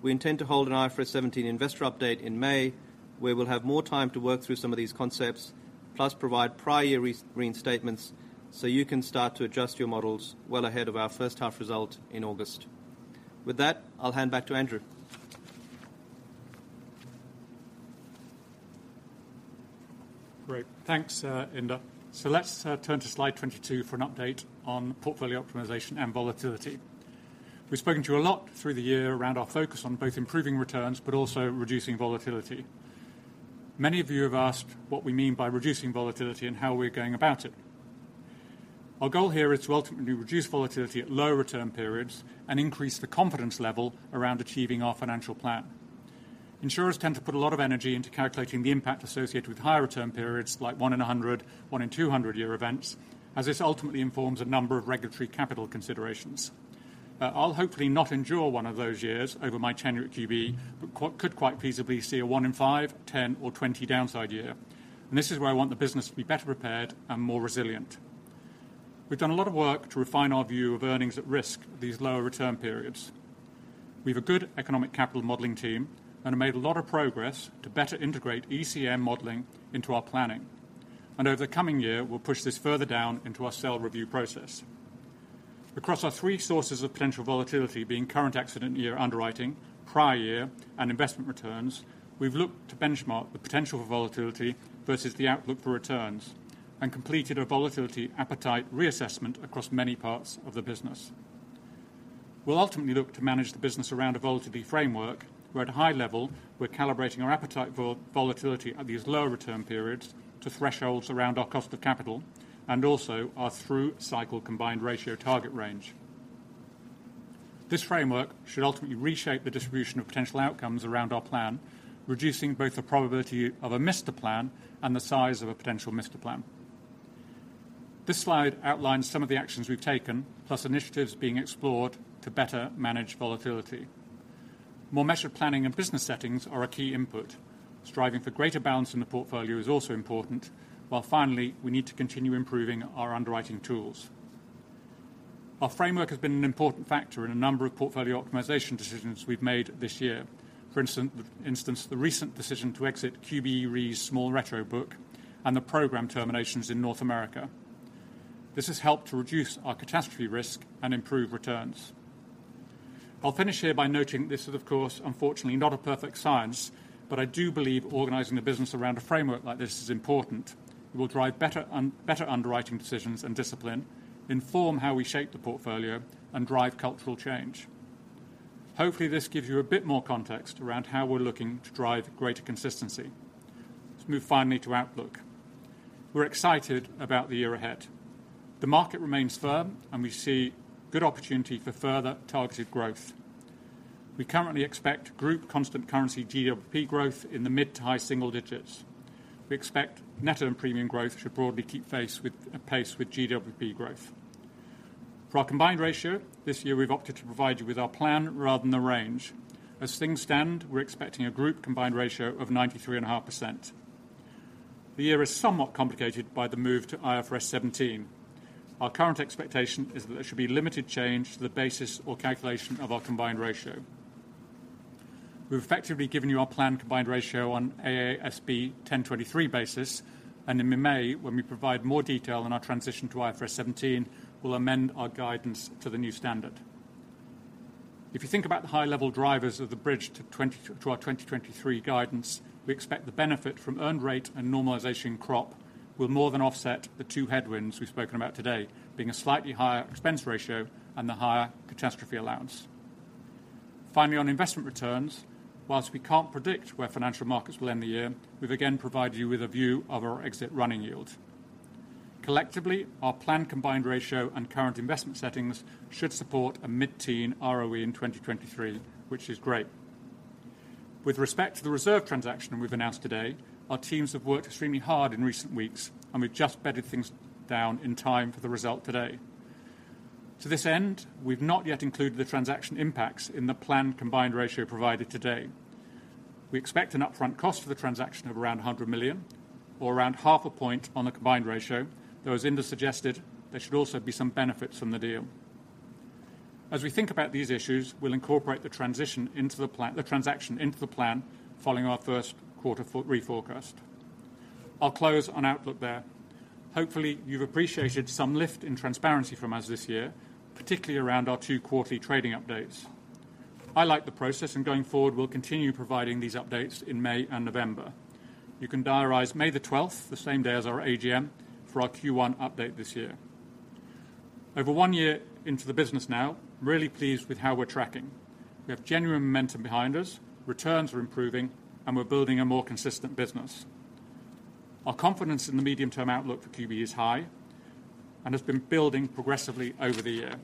We intend to hold an IFRS 17 investor update in May, where we'll have more time to work through some of these concepts plus provide prior year re-restatements so you can start to adjust your models well ahead of our first half result in August. With that, I'll hand back to Andrew. Great. Thanks, Inder. Let's turn to Slide 22 for an update on portfolio optimization and volatility. We've spoken to you a lot through the year around our focus on both improving returns but also reducing volatility. Many of you have asked what we mean by reducing volatility and how we're going about it. Our goal here is to ultimately reduce volatility at low return periods and increase the confidence level around achieving our financial plan. Insurers tend to put a lot of energy into calculating the impact associated with higher return periods, like 1 in 100, 1 in 200 year events, as this ultimately informs a number of regulatory capital considerations. I'll hopefully not endure one of those years over my tenure at QBE, but could quite feasibly see a 1 in 5, 10, or 20 downside year. This is where I want the business to be better prepared and more resilient. We've done a lot of work to refine our view of earnings at risk these lower return periods. We've a good economic capital modeling team and have made a lot of progress to better integrate ECM modeling into our planning. Over the coming year, we'll push this further down into our cell review process. Across our three sources of potential volatility being current accident year underwriting, prior year, and investment returns, we've looked to benchmark the potential for volatility versus the outlook for returns and completed a volatility appetite reassessment across many parts of the business. We'll ultimately look to manage the business around a volatility framework, where at a high level, we're calibrating our appetite volatility at these lower return periods to thresholds around our cost of capital and also our through cycle combined ratio target range. This framework should ultimately reshape the distribution of potential outcomes around our plan, reducing both the probability of a missed plan and the size of a potential missed plan. This slide outlines some of the actions we've taken, plus initiatives being explored to better manage volatility. More measured planning and business settings are a key input. Striving for greater balance in the portfolio is also important. Finally, we need to continue improving our underwriting tools. Our framework has been an important factor in a number of portfolio optimization decisions we've made this year. For instance, the recent decision to exit QBE Re's small retro book and the program terminations in North America. This has helped to reduce our catastrophe risk and improve returns. I'll finish here by noting this is, of course, unfortunately not a perfect science, but I do believe organizing a business around a framework like this is important. It will drive better underwriting decisions and discipline, inform how we shape the portfolio, and drive cultural change. Hopefully, this gives you a bit more context around how we're looking to drive greater consistency. Let's move finally to outlook. We're excited about the year ahead. The market remains firm, and we see good opportunity for further targeted growth. We currently expect group constant currency GWP growth in the mid to high single digits. We expect net and premium growth should broadly keep pace with GWP growth. For our combined ratio, this year we've opted to provide you with our plan rather than the range. As things stand, we're expecting a group combined ratio of 93.5%. The year is somewhat complicated by the move to IFRS 17. Our current expectation is that there should be limited change to the basis or calculation of our combined ratio. We've effectively given you our planned combined ratio on AASB 1023 basis, and in May, when we provide more detail on our transition to IFRS 17, we'll amend our guidance to the new standard. If you think about the high level drivers of the bridge to our 2023 guidance, we expect the benefit from earned rate and normalization crop will more than offset the 2 headwinds we've spoken about today, being a slightly higher expense ratio and the higher catastrophe allowance. Finally, on investment returns, while we can't predict where financial markets will end the year, we've again provided you with a view of our exit running yield. Collectively, our planned combined ratio and current investment settings should support a mid-teen ROE in 2023, which is great. With respect to the reserve transaction we've announced today, our teams have worked extremely hard in recent weeks, and we've just bedded things down in time for the result today. To this end, we've not yet included the transaction impacts in the planned combined ratio provided today. We expect an upfront cost for the transaction of around $100 million or around half a point on the combined ratio. Though as Inder suggested, there should also be some benefits from the deal. We'll incorporate the transaction into the plan following our Q1 re-forecast. I'll close on outlook there. Hopefully, you've appreciated some lift in transparency from us this year, particularly around our two quarterly trading updates. I like the process. Going forward, we'll continue providing these updates in May and November. You can diarize May the twelfth, the same day as our AGM, for our Q1 update this year. Over one year into the business now, I'm really pleased with how we're tracking. We have genuine momentum behind us, returns are improving, and we're building a more consistent business. Our confidence in the medium-term outlook for QBE is high and has been building progressively over the year.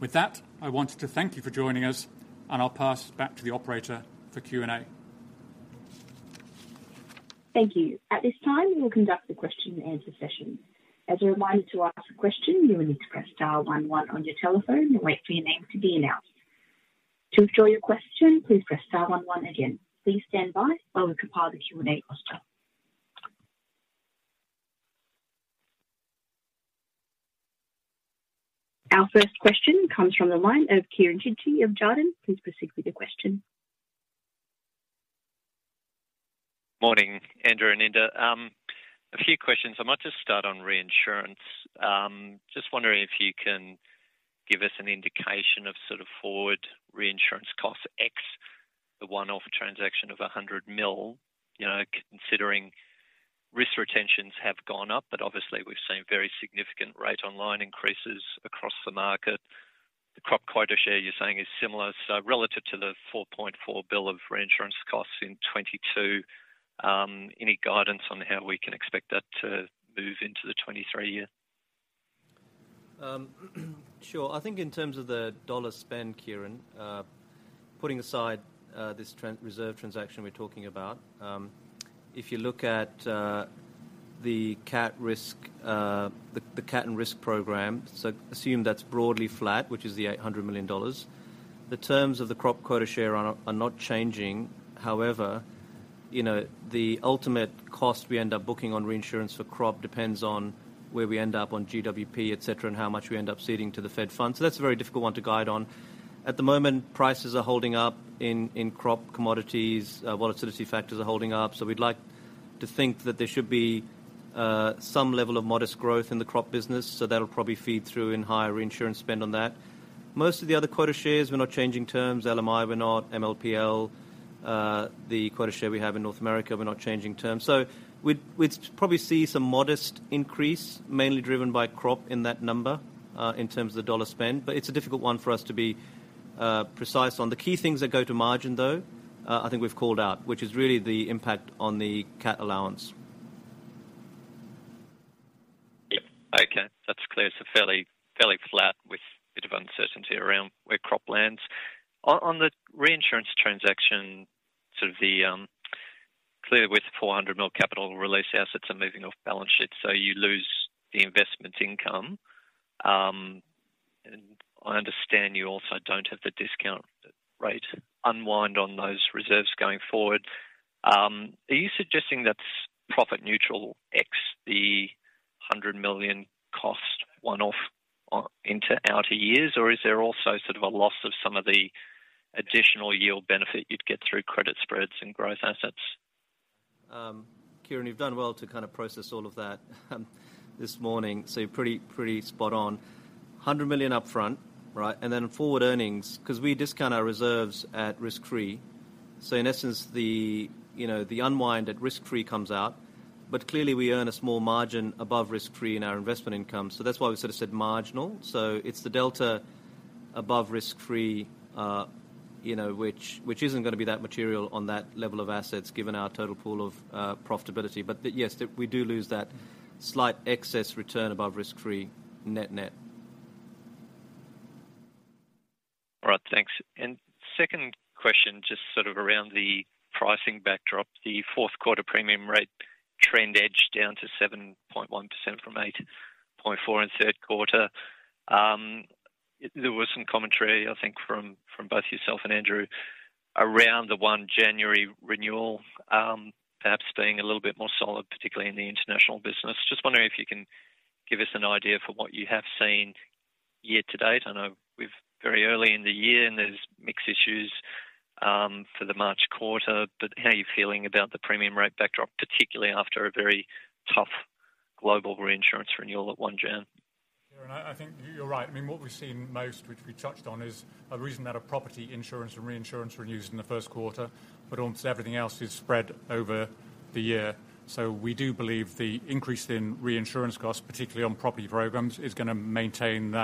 With that, I want to thank you for joining us. I'll pass back to the operator for Q&A. Thank you. At this time, we will conduct the question and answer session. As a reminder, to ask a question, you will need to press star one one on your telephone and wait for your name to be announced. To withdraw your question, please press star one one again. Please stand by while we compile the Q&A roster. Our first question comes from the line of Kieren Chidgey of Jarden. Please proceed with your question. Morning, Andrew and Inder. A few questions. I might just start on reinsurance. Just wondering if you can give us an indication of sort of forward reinsurance costs, ex the one-off transaction of $100 million, you know, considering risk retentions have gone up, obviously we've seen very significant rate online increases across the market. The crop quota share, you're saying is similar. Relative to the $4.4 billion of reinsurance costs in 2022, any guidance on how we can expect that to move into the 2023 year? Sure. I think in terms of the dollar spend, Kieren, putting aside this reserve transaction we're talking about, if you look at the cat risk, the cat and risk program, assume that's broadly flat, which is $800 million. The terms of the crop quota share are not changing. However, you know, the ultimate cost we end up booking on reinsurance for crop depends on where we end up on GWP, et cetera, and how much we end up ceding to the fed funds. That's a very difficult one to guide on. At the moment, prices are holding up in crop commodities. Volatility factors are holding up, we'd like to think that there should be some level of modest growth in the crop business, that'll probably feed through in higher reinsurance spend on that. Most of the other quota shares, we're not changing terms. LMI, we're not. MLPL, the quota share we have in North America, we're not changing terms. We'd probably see some modest increase, mainly driven by crop in that number, in terms of the dollar spend. It's a difficult one for us to be precise on. The key things that go to margin, though, I think we've called out, which is really the impact on the cat allowance. Yep. Okay. That's clear. Fairly flat with a bit of uncertainty around where crop lands. On the reinsurance transaction, sort of the. Clearly with $400 million capital release assets are moving off balance sheets, so you lose the investment income. And I understand you also don't have the discount rate unwind on those reserves going forward. Are you suggesting that's profit neutral, ex the $100 million cost one-off, into outer years? Is there also sort of a loss of some of the additional yield benefit you'd get through credit spreads and growth assets? Kieren, you've done well to kind of process all of that this morning. Pretty spot on. 100 million up front, right? Then forward earnings, because we discount our reserves at risk-free. In essence, the unwind at risk-free comes out, clearly we earn a small margin above risk-free in our investment income. That's why we sort of said marginal. It's the delta above risk-free, which isn't going to be that material on that level of assets, given our total pool of profitability. Yes, we do lose that slight excess return above risk-free net-net. All right. Thanks. Second question, just sort of around the pricing backdrop. The Q4 premium rate trend edged down to 7.1% from 8.4% in Q3. There was some commentary, I think from both yourself and Andrew Horton, around the 1 January renewal, perhaps being a little bit more solid, particularly in the international business. Just wondering if you can give us an idea for what you have seen year to date. I know we're very early in the year and there's mixed issues for the March quarter, how are you feeling about the premium rate backdrop, particularly after a very tough global reinsurance renewal at 1 Jan? Sure. I think you're right. I mean, what we've seen most, which we touched on is a reason that a property insurance and reinsurance renews in the Q1, but almost everything else is spread over the year. We do believe the increase in reinsurance costs, particularly on property programs, is gonna maintain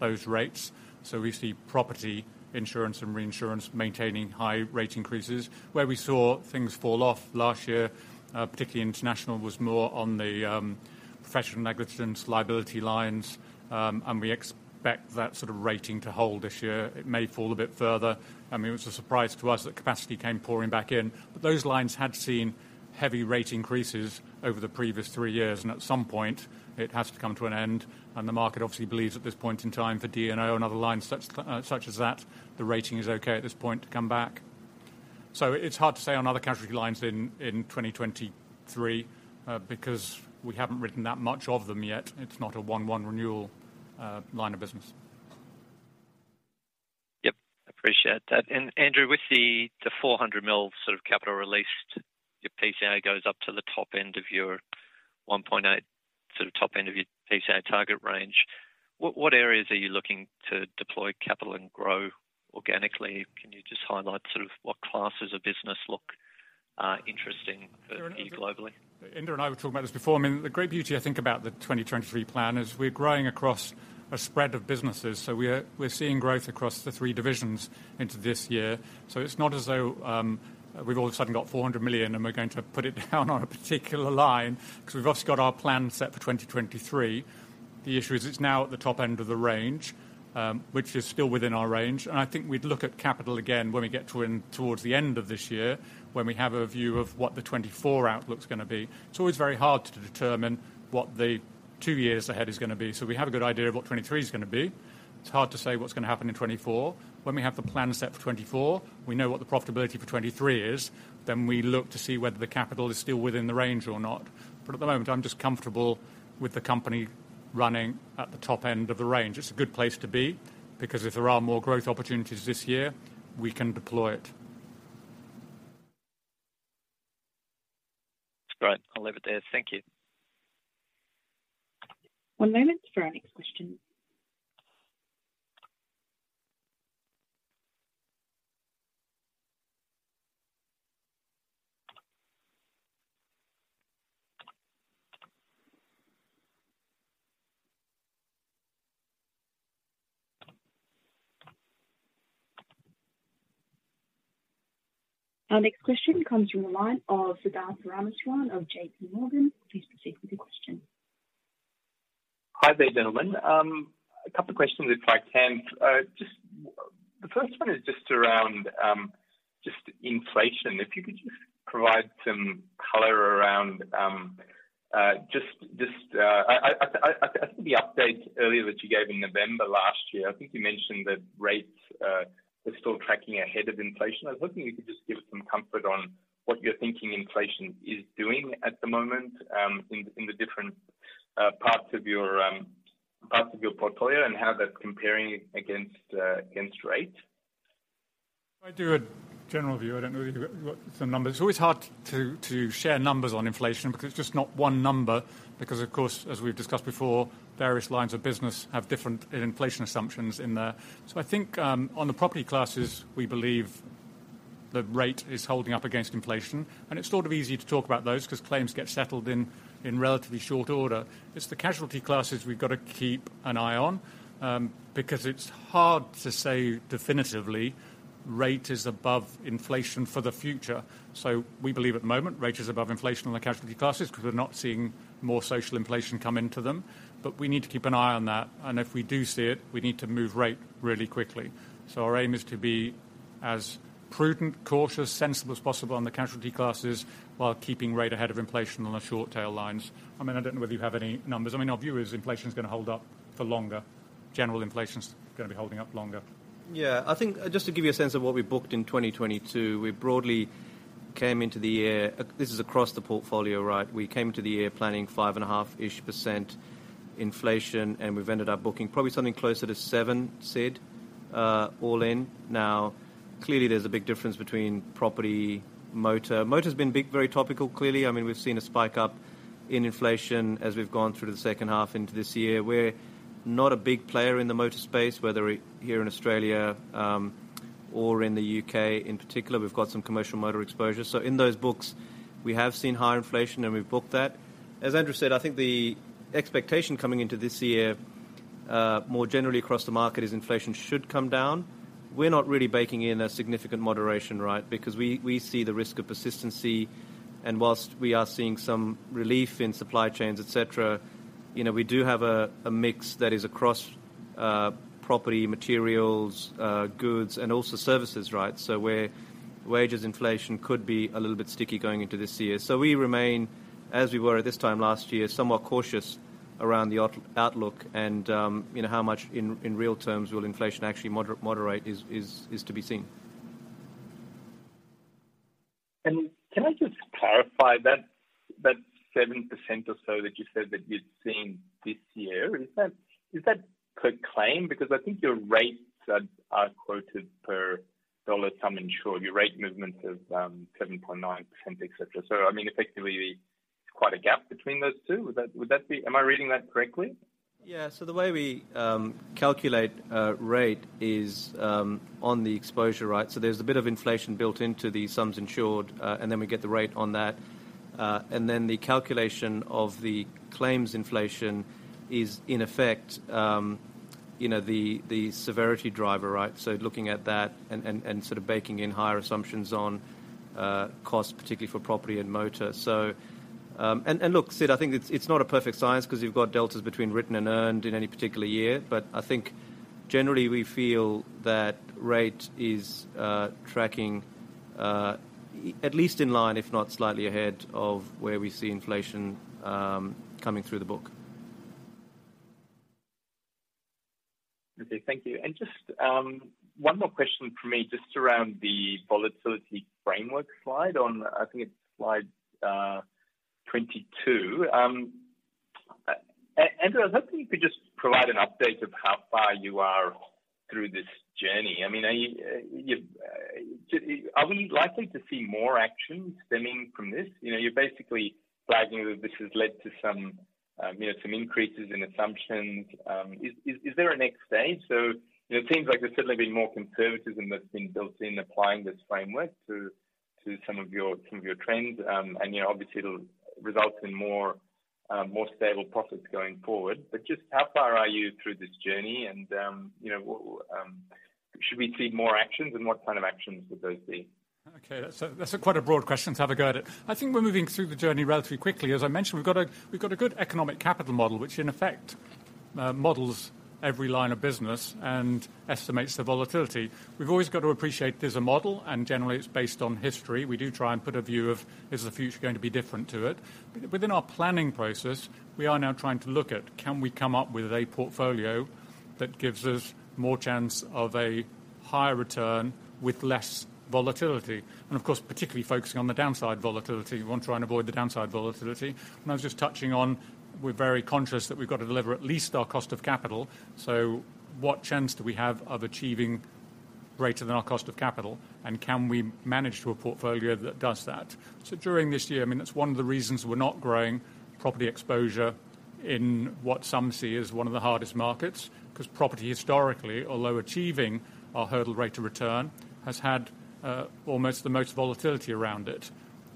those rates. We see property insurance and reinsurance maintaining high rate increases. Where we saw things fall off last year, particularly international, was more on the professional negligence liability lines, and we expect that sort of rating to hold this year. It may fall a bit further. I mean, it was a surprise to us that capacity came pouring back in. Those lines had seen heavy rate increases over the previous three years, and at some point it has to come to an end. The market obviously believes at this point in time for D&O and other lines such as that, the rating is okay at this point to come back. It's hard to say on other casualty lines in 2023 because we haven't written that much of them yet. It's not a one renewal line of business. Yep, appreciate that. Andrew, with the $400 million sort of capital released, your PCA goes up to the top end of your 1.8, sort of top end of your PCA target range. What areas are you looking to deploy capital and grow organically? Can you just highlight sort of what classes of business look interesting for you globally? Sure. Andrew and I were talking about this before. I mean, the great beauty I think about the 2023 plan is we're growing across a spread of businesses, we're seeing growth across the three divisions into this year. It's not as though we've all of a sudden got $400 million and we're going to put it down on a particular line, 'cause we've also got our plan set for 2023. The issue is it's now at the top end of the range, which is still within our range. I think we'd look at capital again when we get towards the end of this year, when we have a view of what the 2024 outlook's gonna be. It's always very hard to determine what the two years ahead is gonna be. We have a good idea of what 2023 is gonna be. It's hard to say what's gonna happen in 2024. When we have the plan set for 2024, we know what the profitability for 2023 is, then we look to see whether the capital is still within the range or not. At the moment, I'm just comfortable with the company running at the top end of the range. It's a good place to be because if there are more growth opportunities this year, we can deploy it. Great. I'll leave it there. Thank you. One moment for our next question. Our next question comes from the line of Siddharth Parameswaran of JPMorgan. Please proceed with your question. Hi there, gentlemen. A couple of questions, if I can. The first one is just around just inflation. If you could just provide some color around. I see the update earlier that you gave in November last year. I think you mentioned that rates are still tracking ahead of inflation. I was wondering if you could just give some comfort on what you're thinking inflation is doing at the moment, in the different parts of your portfolio and how that's comparing against rate. I do a general view. I don't know if you've got some numbers. It's always hard to share numbers on inflation because it's just not one number because, of course, as we've discussed before, various lines of business have different inflation assumptions in there. I think, on the property classes, we believe the rate is holding up against inflation, and it's sort of easy to talk about those cause claims get settled in relatively short order. It's the casualty classes we've got to keep an eye on because it's hard to say definitively rate is above inflation for the future. We believe at the moment rate is above inflation on the casualty classes cause we're not seeing more social inflation come into them. We need to keep an eye on that, and if we do see it, we need to move rate really quickly. Our aim is to be as prudent, cautious, sensible as possible on the casualty classes while keeping rate ahead of inflation on the short tail lines. I mean, I don't know whether you have any numbers. I mean, our view is inflation is gonna hold up for longer. General inflation is gonna be holding up longer. Yeah. I think just to give you a sense of what we booked in 2022, we broadly came into the year. This is across the portfolio, right? We came to the year planning 5.5%-ish inflation, and we've ended up booking probably something closer to 7, Sid, all in. Clearly, there's a big difference between property, motor. Motor has been big, very topical, clearly. I mean, we've seen a spike up in inflation as we've gone through the second half into this year. We're not a big player in the motor space, whether it here in Australia, or in the U.K. in particular. We've got some commercial motor exposure. In those books, we have seen higher inflation, and we've booked that. As Andrew said, I think the expectation coming into this year, more generally across the market is inflation should come down. We're not really baking in a significant moderation, right? Because we see the risk of persistency. Whilst we are seeing some relief in supply chains, et cetera, you know, we do have a mix that is across property, materials, goods, and also services, right? Where wages inflation could be a little bit sticky going into this year. We remain, as we were this time last year, somewhat cautious around the outlook and, you know, how much in real terms will inflation actually moderate is to be seen. Can I just clarify that 7% or so that you said that you'd seen this year, is that, is that per claim? Because I think your rates are quoted per dollar sum insured. Your rate movements of 7.9%, et cetera. I mean, effectively, quite a gap between those two. Would that be... Am I reading that correctly? The way we calculate rate is on the exposure rate. There's a bit of inflation built into the sums insured, and then we get the rate on that. Then the calculation of the claims inflation is in effect, you know, the severity driver, right? Looking at that and sort of baking in higher assumptions on cost, particularly for property and motor. Look, Sid, I think it's not a perfect science 'cause you've got deltas between written and earned in any particular year. I think generally we feel that rate is tracking at least in line, if not slightly ahead of where we see inflation coming through the book. Thank you. Just one more question from me, just around the volatility framework slide on... I think it's Slide 22. Andrew, I was hoping you could just provide an update of how far you are through this journey. I mean, are we likely to see more action stemming from this? You know, you're basically flagging that this has led to some, you know, some increases in assumptions. Is there a next stage? It seems like there's certainly been more conservatism that's been built in applying this framework to some of your trends. Yeah, obviously it'll result in more stable profits going forward. Just how far are you through this journey and, you know, what should we see more actions? What kind of actions would those be? Okay. That's quite a broad question to have a go at it. I think we're moving through the journey relatively quickly. As I mentioned, we've got a good economic capital model, which in effect, models every line of business and estimates the volatility. We've always got to appreciate there's a model, and generally, it's based on history. We do try and put a view of, is the future going to be different to it? Within our planning process, we are now trying to look at, can we come up with a portfolio that gives us more chance of a higher return with less volatility. Of course, particularly focusing on the downside volatility. We want to try and avoid the downside volatility. I was just touching on, we're very conscious that we've got to deliver at least our cost of capital. What chance do we have of achieving greater than our cost of capital, and can we manage to a portfolio that does that? During this year, I mean, that's one of the reasons we're not growing property exposure in what some see as one of the hardest markets, 'cause property historically, although achieving our hurdle rate of return, has had almost the most volatility around it.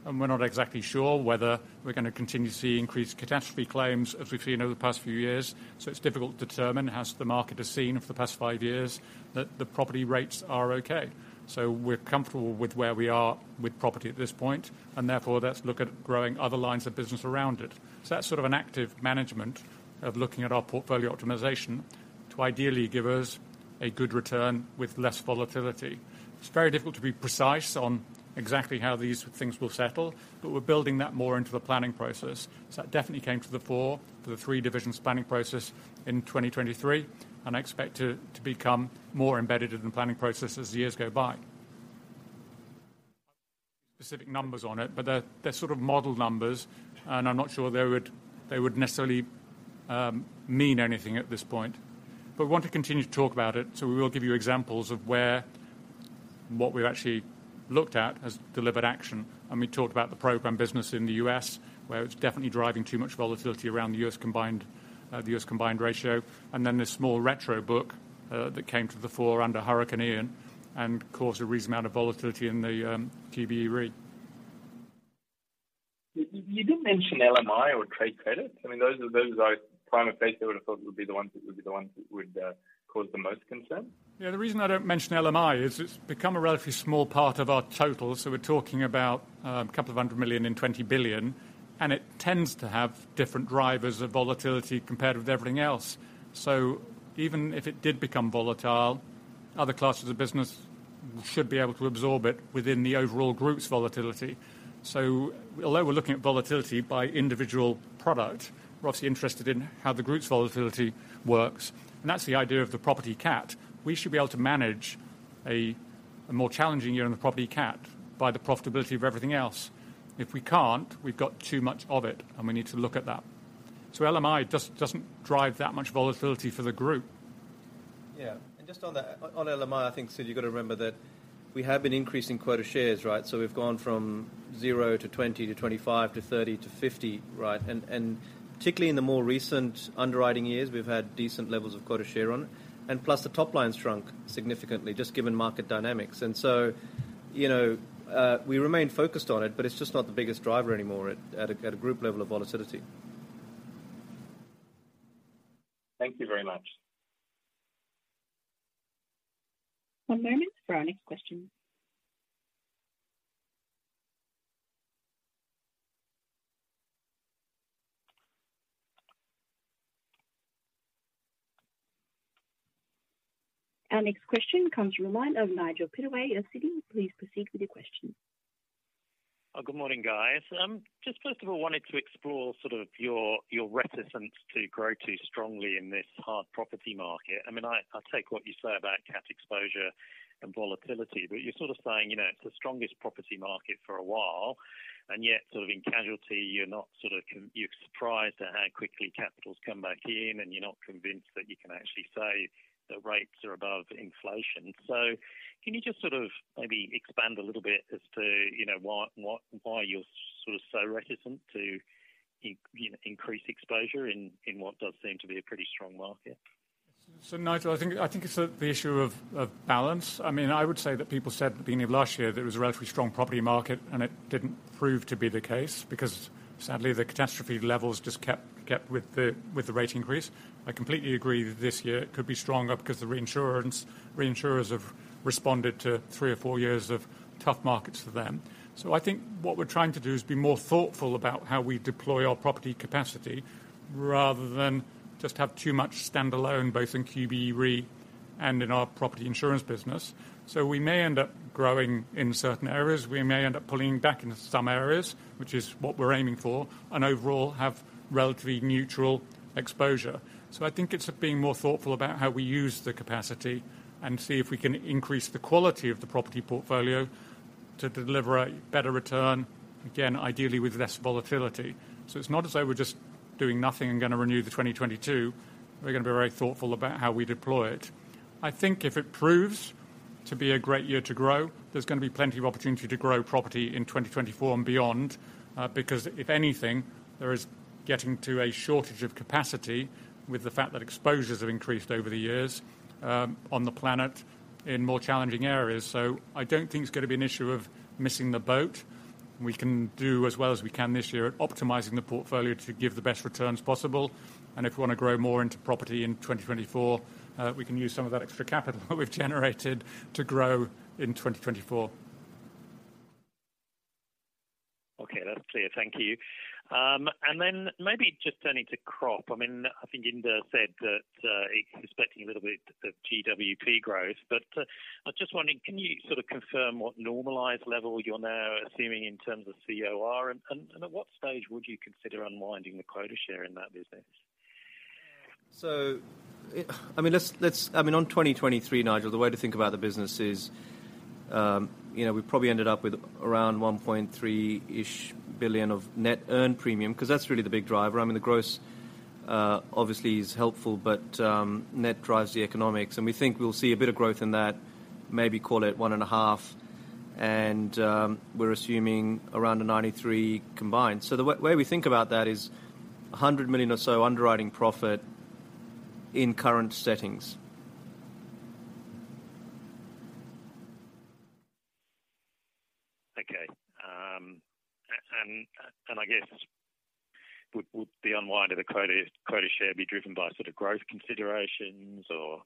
We're not exactly sure whether we're gonna continue to see increased catastrophe claims as we've seen over the past few years. It's difficult to determine, as the market has seen for the past 5 years, that the property rates are okay. We're comfortable with where we are with property at this point, and therefore let's look at growing other lines of business around it. That's sort of an active management of looking at our portfolio optimization to ideally give us a good return with less volatility. It's very difficult to be precise on exactly how these things will settle, but we're building that more into the planning process. It definitely came to the fore for the 3 divisions planning process in 2023, and I expect it to become more embedded in the planning process as the years go by. Specific numbers on it, but they're sort of model numbers, and I'm not sure they would necessarily mean anything at this point. We want to continue to talk about it, so we will give you examples of where what we've actually looked at has delivered action. I mean, talk about the program business in the U.S., where it's definitely driving too much volatility around the U.S. combined, the U.S. combined ratio. This small retro book, that came to the fore under Hurricane Ian and caused a reasonable amount of volatility in the QBE Re. You didn't mention LMI or trade credit. I mean, those are prime effects that would have thought would be the ones that would cause the most concern. The reason I don't mention LMI is it's become a relatively small part of our total. We're talking about $200 million and $20 billion, and it tends to have different drivers of volatility compared with everything else. Even if it did become volatile, other classes of business should be able to absorb it within the overall group's volatility. Although we're looking at volatility by individual product, we're obviously interested in how the group's volatility works. That's the idea of the property cat. We should be able to manage a more challenging year on the property cat by the profitability of everything else. If we can't, we've got too much of it and we need to look at that. LMI just doesn't drive that much volatility for the group. Yeah. Just on that, on LMI, I think, Sid, you got to remember that we have been increasing quota shares, right? We've gone from 0 to 20 to 25 to 30 to 50, right? Particularly in the more recent underwriting years, we've had decent levels of quota share on it. Plus the top line shrunk significantly just given market dynamics. You know, we remain focused on it, but it's just not the biggest driver anymore at a group level of volatility. Thank you very much. One moment for our next question. Our next question comes from the line of Nigel Pittaway at Citi. Please proceed with your question. Good morning, guys. Just first of all wanted to explore sort of your reticence to grow too strongly in this hard property market. I mean, I take what you say about cat exposure and volatility, but you're sort of saying, you know, it's the strongest property market for a while, and yet sort of in casualty, you're not you're surprised at how quickly capital's come back in, and you're not convinced that you can actually say that rates are above inflation. Can you just sort of maybe expand a little bit as to, you know, why why you're sort of so reticent to, you know, increase exposure in what does seem to be a pretty strong market? Nigel, I think it's the issue of balance. I mean, I would say that people said at the beginning of last year there was a relatively strong property market, and it didn't prove to be the case because sadly, the catastrophe levels just kept with the rate increase. I completely agree this year it could be stronger because the reinsurance, reinsurers have responded to three or four years of tough markets for them. I think what we're trying to do is be more thoughtful about how we deploy our property capacity rather than just have too much standalone, both in QBE Re and in our property insurance business. We may end up growing in certain areas, we may end up pulling back in some areas, which is what we're aiming for, and overall have relatively neutral exposure. I think it's being more thoughtful about how we use the capacity and see if we can increase the quality of the property portfolio to deliver a better return, again, ideally with less volatility. It's not as though we're just doing nothing and gonna renew the 2022. We're gonna be very thoughtful about how we deploy it. I think if it proves to be a great year to grow, there's gonna be plenty of opportunity to grow property in 2024 and beyond. Because if anything, there is getting to a shortage of capacity with the fact that exposures have increased over the years, on the planet in more challenging areas. I don't think it's gonna be an issue of missing the boat. We can do as well as we can this year at optimizing the portfolio to give the best returns possible. If we wanna grow more into property in 2024, we can use some of that extra capital we've generated to grow in 2024. Okay, that's clear. Thank you. Then maybe just turning to crop. I mean, I think Inder said that, expecting a little bit of GWP growth. I'm just wondering, can you sort of confirm what normalized level you're now assuming in terms of COR? At what stage would you consider unwinding the quota share in that business? I mean, on 2023, Nigel, the way to think about the business is, you know, we probably ended up with around $1.3-ish billion of net earned premium, 'cause that's really the big driver. I mean, the gross obviously is helpful, but net drives the economics. We think we'll see a bit of growth in that, maybe call it $1.5 billion, and we're assuming around a 93% combined. The way we think about that is a $100 million or so underwriting profit in current settings. Okay. I guess would the unwind of the quota share be driven by sort of growth considerations or?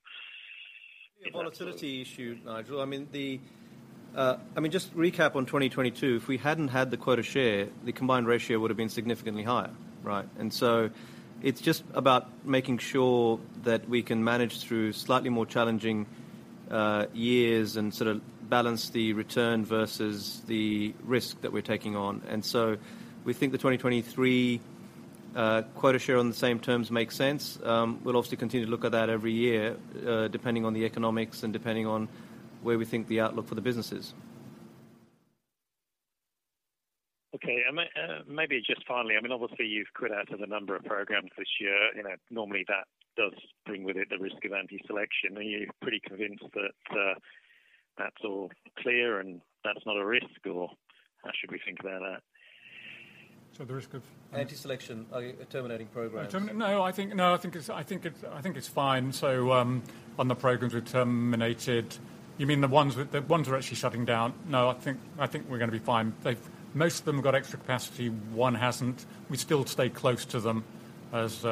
Volatility issue, Nigel. I mean, just recap on 2022. If we hadn't had the quota share, the combined ratio would have been significantly higher, right? It's just about making sure that we can manage through slightly more challenging years and sort of balance the return versus the risk that we're taking on. We think the 2023 quota share on the same terms makes sense. We'll obviously continue to look at that every year, depending on the economics and depending on where we think the outlook for the business is. Maybe just finally, I mean, obviously you've quit out of a number of programs this year. You know, normally that does bring with it the risk of anti-selection. Are you pretty convinced that's all clear and that's not a risk? Or how should we think about that? So the risk of- Anti-selection. Are you terminating programs? No, I think it's fine. On the programs we terminated, you mean the ones we're actually shutting down? No, I think we're gonna be fine. Most of them have got extra capacity, one hasn't. We still stay close to them as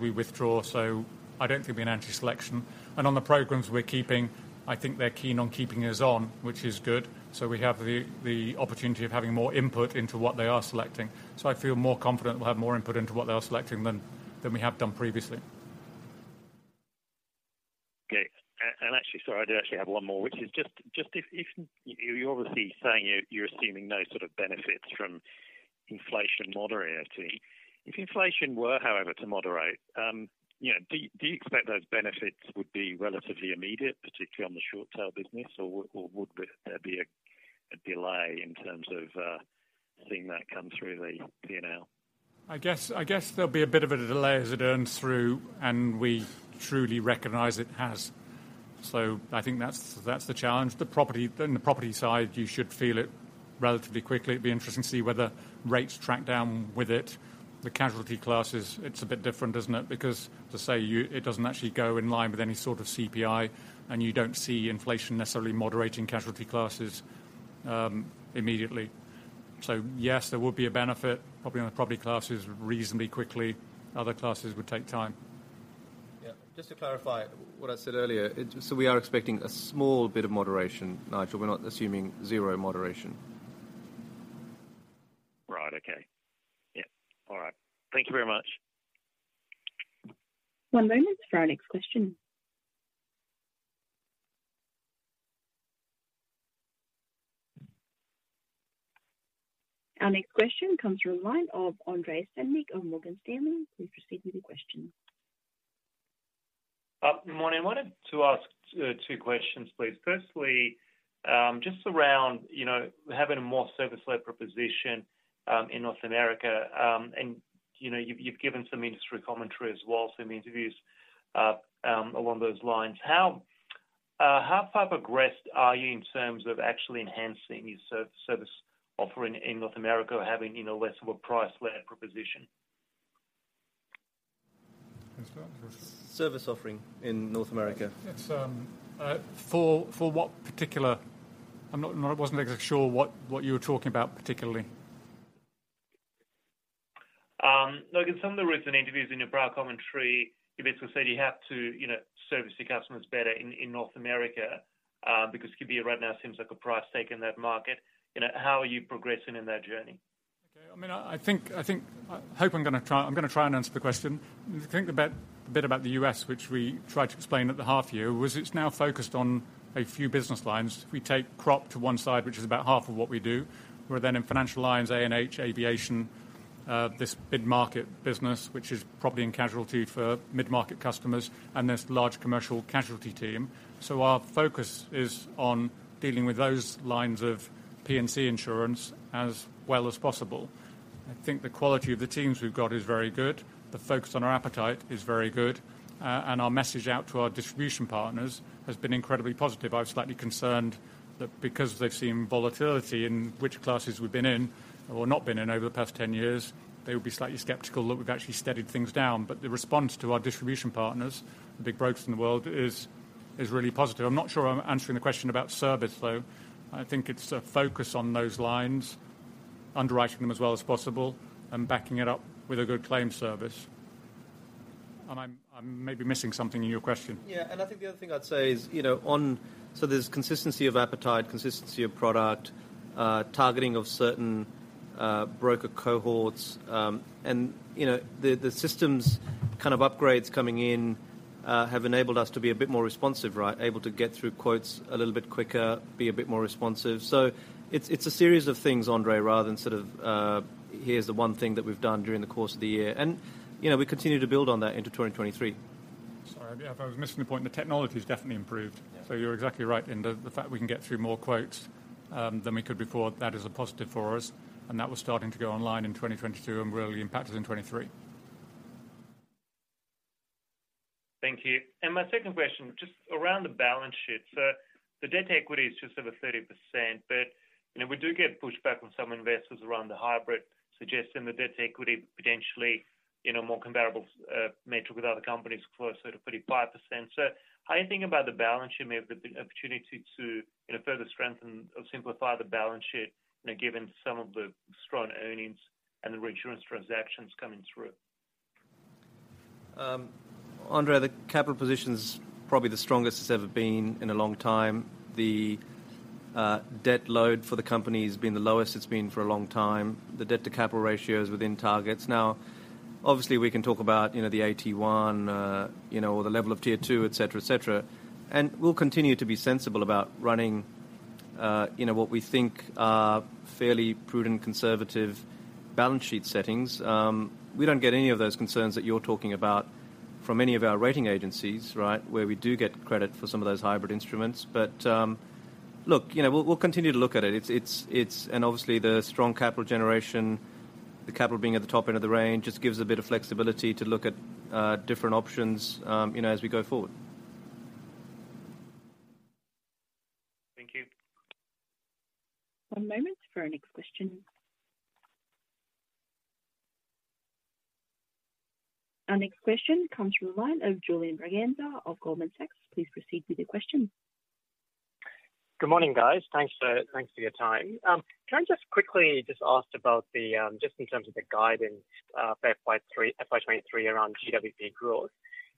we withdraw, so I don't think we have anti-selection. On the programs we're keeping, I think they're keen on keeping us on, which is good. We have the opportunity of having more input into what they are selecting. I feel more confident we'll have more input into what they are selecting than we have done previously. Okay. Actually, sorry, I do actually have one more, which is just if you're obviously saying you're assuming no sort of benefits from inflation moderating. If inflation were, however, to moderate, you know, do you expect those benefits would be relatively immediate, particularly on the short tail business? Would there be a delay in terms of seeing that come through the P&L? I guess there'll be a bit of a delay as it earns through and we truly recognize it has. I think that's the challenge. In the property side, you should feel it relatively quickly. It'd be interesting to see whether rates track down with it. The casualty classes, it's a bit different, isn't it? Because it doesn't actually go in line with any sort of CPI, and you don't see inflation necessarily moderating casualty classes immediately. Yes, there will be a benefit probably on the property classes reasonably quickly. Other classes would take time. Yeah. Just to clarify what I said earlier. We are expecting a small bit of moderation, Nigel. We're not assuming zero moderation. Right. Okay. Yeah. All right. Thank you very much. One moment for our next question. Our next question comes from a line of Andrei Stadnik on Morgan Stanley. Please proceed with your question. Good morning. I wanted to ask 2 questions, please. Firstly, just around, you know, having a more service-led proposition in North America. You know, you've given some industry commentary as well, some interviews along those lines. How far progressed are you in terms of actually enhancing your service offering in North America or having, you know, less of a price-led proposition? Can you start first? Service offering in North America. It's, for what particular... I wasn't actually sure what you were talking about particularly. Look at some of the recent interviews in your prior commentary, you basically said you have to, you know, service your customers better in North America, because it could be right now seems like a price take in that market. You know, how are you progressing in that journey? Okay. I mean, I think I hope I'm gonna try and answer the question. A bit about the U.S., which we tried to explain at the half year, was it's now focused on a few business lines. If we take crop to one side, which is about half of what we do, we're then in financial lines, A&H, aviation, this mid-market business, which is probably in casualty for mid-market customers, and this large commercial casualty team. Our focus is on dealing with those lines of P&C insurance as well as possible. I think the quality of the teams we've got is very good. The focus on our appetite is very good. Our message out to our distribution partners has been incredibly positive. I was slightly concerned that because they've seen volatility in which classes we've been in or not been in over the past 10 years, they would be slightly skeptical that we've actually steadied things down. The response to our distribution partners, the big brokers in the world, is really positive. I'm not sure I'm answering the question about service, though. I think it's a focus on those lines, underwriting them as well as possible, and backing it up with a good claim service. I'm maybe missing something in your question. Yeah. I think the other thing I'd say is, you know, on... There's consistency of appetite, consistency of product, targeting of certain broker cohorts. You know, the systems kind of upgrades coming in have enabled us to be a bit more responsive, right? Able to get through quotes a little bit quicker, be a bit more responsive. It's a series of things, Andrei, rather than sort of, here's the one thing that we've done during the course of the year. You know, we continue to build on that into 2023. Sorry, if I was missing the point, the technology has definitely improved. Yeah. You're exactly right in the fact we can get through more quotes than we could before, that is a positive for us, and that was starting to go online in 2022 and really impacted in 2023. Thank you. My second question, just around the balance sheet. The debt equity is just over 30%. You know, we do get pushback from some investors around the hybrid, suggesting the debt equity potentially in a more comparable metric with other companies closer to 35%. How you think about the balance sheet may have the opportunity to, you know, further strengthen or simplify the balance sheet, you know, given some of the strong earnings and the reinsurance transactions coming through? Andrei, the capital position's probably the strongest it's ever been in a long time. The debt load for the company has been the lowest it's been for a long time. The debt to capital ratio is within targets. Now, obviously, we can talk about, you know, the AT1, you know, or the level of Tier 2, et cetera, et cetera. We'll continue to be sensible about running, you know, what we think are fairly prudent, conservative balance sheet settings. We don't get any of those concerns that you're talking about from any of our rating agencies, right? Where we do get credit for some of those hybrid instruments. Look, you know, we'll continue to look at it. It's obviously the strong capital generation, the capital being at the top end of the range, just gives a bit of flexibility to look at different options, you know, as we go forward. Thank you. One moment for our next question. Our next question comes from the line of Julian Braganza of Goldman Sachs. Please proceed with your question. Good morning, guys. Thanks for your time. Can I just quickly just ask about the just in terms of the guidance for FY23 around GWP growth.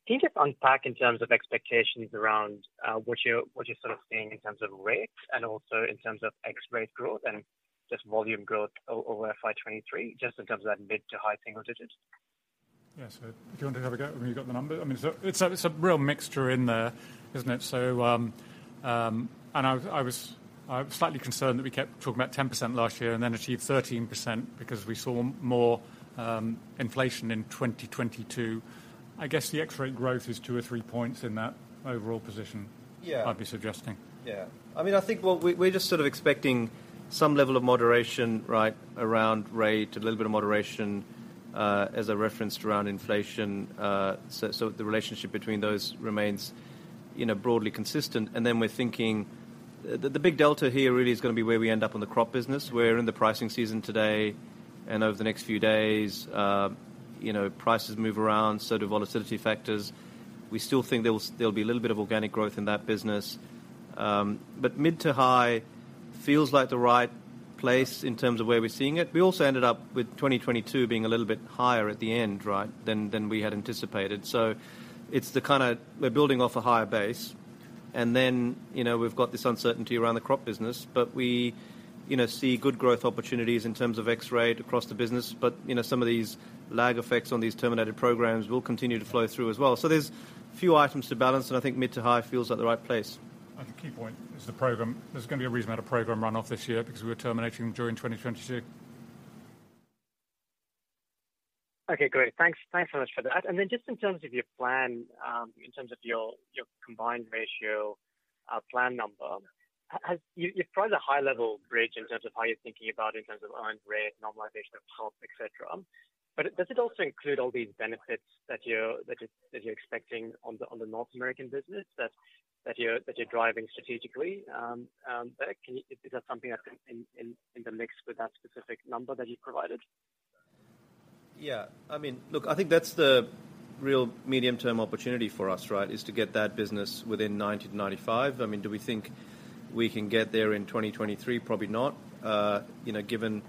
Can you just unpack in terms of expectations around what you're sort of seeing in terms of rates and also in terms of X-rate growth and just volume growth over FY23, just in terms of that mid to high single digits? Yeah. Do you want to have a go? I mean, you've got the numbers. I mean, it's a real mixture in there, isn't it? I was slightly concerned that we kept talking about 10% last year and then achieved 13% because we saw more inflation in 2022. I guess the X-rate growth is 2 or 3 points in that overall position. Yeah. I'd be suggesting. I mean, I think what we're just sort of expecting some level of moderation, right, around rate, a little bit of moderation, as a reference around inflation. The relationship between those remains, you know, broadly consistent. We're thinking the big delta here really is gonna be where we end up on the crop business. We're in the pricing season today, and over the next few days, you know, prices move around, so do volatility factors. We still think there will there'll be a little bit of organic growth in that business. Mid to high feels like the right place in terms of where we're seeing it. We also ended up with 2022 being a little bit higher at the end, right, than we had anticipated. It's the kinda we're building off a higher base. You know, we've got this uncertainty around the crop business, but we, you know, see good growth opportunities in terms of X-rate across the business. You know, some of these lag effects on these terminated programs will continue to flow through as well. There's a few items to balance, and I think mid to high feels like the right place. The key point is the program. There's going to be a reasonable amount of program runoff this year because we're terminating during 2022. Okay, great. Thanks so much for that. Just in terms of your plan, in terms of your combined ratio plan number, You've provided a high level bridge in terms of how you're thinking about in terms of earned rate, normalization of PULP, et cetera. Does it also include all these benefits that you're expecting on the North American business that you're driving strategically? Is that something that can in the mix with that specific number that you've provided? Yeah. I mean, look, I think that's the real medium-term opportunity for us, right? Is to get that business within 90%-95%. I mean, do we think we can get there in 2023? Probably not. You know, given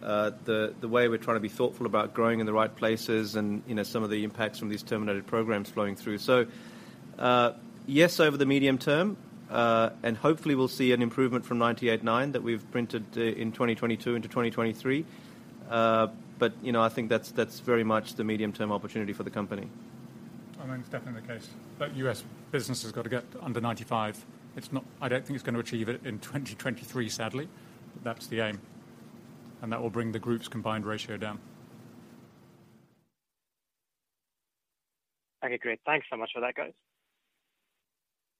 the way we're trying to be thoughtful about growing in the right places and, you know, some of the impacts from these terminated programs flowing through. Yes, over the medium term, and hopefully we'll see an improvement from 98.9% that we've printed in 2022 into 2023. You know, I think that's very much the medium-term opportunity for the company. I mean, it's definitely the case that U.S. business has got to get under 95%. It's not. I don't think it's gonna achieve it in 2023, sadly. That's the aim. That will bring the group's combined ratio down. Okay, great. Thanks so much for that, guys.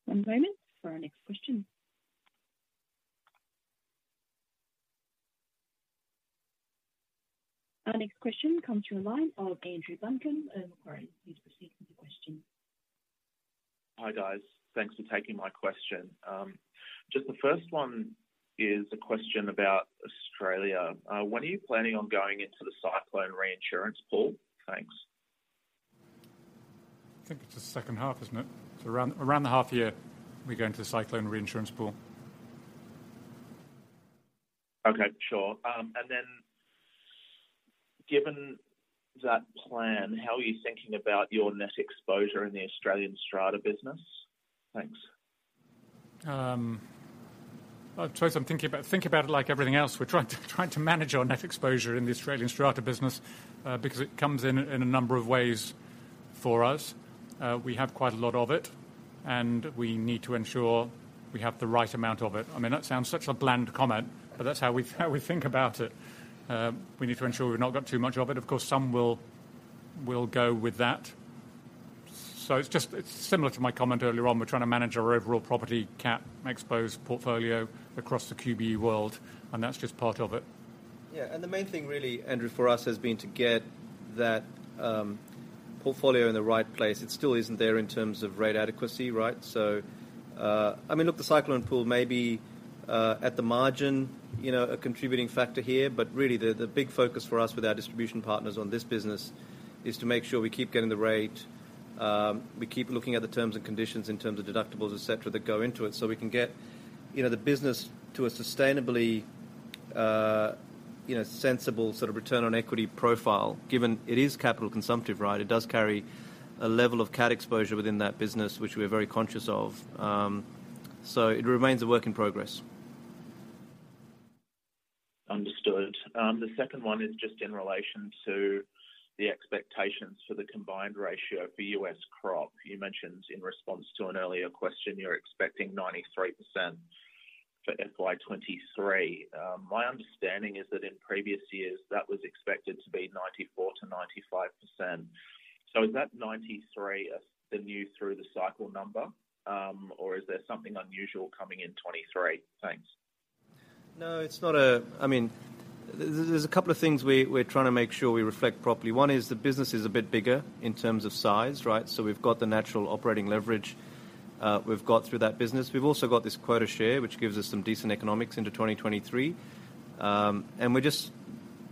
One moment for our next question. Our next question comes from the line of Andrew Duncan of Macquarie. Please proceed with your question. Hi, guys. Thanks for taking my question. Just the first one is a question about Australia. When are you planning on going into the cyclone reinsurance pool? Thanks. I think it's the second half, isn't it? Around the half year, we go into the cyclone reinsurance pool. Okay, sure. Then given that plan, how are you thinking about your net exposure in the Australian strata business? Thanks. Well, Troy, think about it like everything else. We're trying to manage our net exposure in the Australian strata business because it comes in a number of ways for us. We have quite a lot of it. And we need to ensure we have the right amount of it. I mean, that sounds such a bland comment, that's how we think about it. We need to ensure we've not got too much of it. Of course, some will go with that. It's similar to my comment earlier on. We're trying to manage our overall property cap exposed portfolio across the QBE world. That's just part of it. Yeah. The main thing really, Andrew, for us has been to get that portfolio in the right place. It still isn't there in terms of rate adequacy, right? I mean, look, the cyclone pool may be at the margin, you know, a contributing factor here, but really the big focus for us with our distribution partners on this business is to make sure we keep getting the rate, we keep looking at the terms and conditions in terms of deductibles, et cetera, that go into it, so we can get, you know, the business to a sustainably, you know, sensible sort of return on equity profile, given it is capital consumptive, right? It does carry a level of cat exposure within that business, which we're very conscious of. So it remains a work in progress. Understood. The second one is just in relation to the expectations for the combined ratio for U.S. crop. You mentioned in response to an earlier question, you're expecting 93% for FY 2023. My understanding is that in previous years, that was expected to be 94%-95%. Is that 93 as the new through the cycle number, or is there something unusual coming in 2023? Thanks. No, I mean, there's a couple of things we're trying to make sure we reflect properly. One is the business is a bit bigger in terms of size, right? We've got the natural operating leverage, we've got through that business. We've also got this quota share, which gives us some decent economics into 2023. We're just,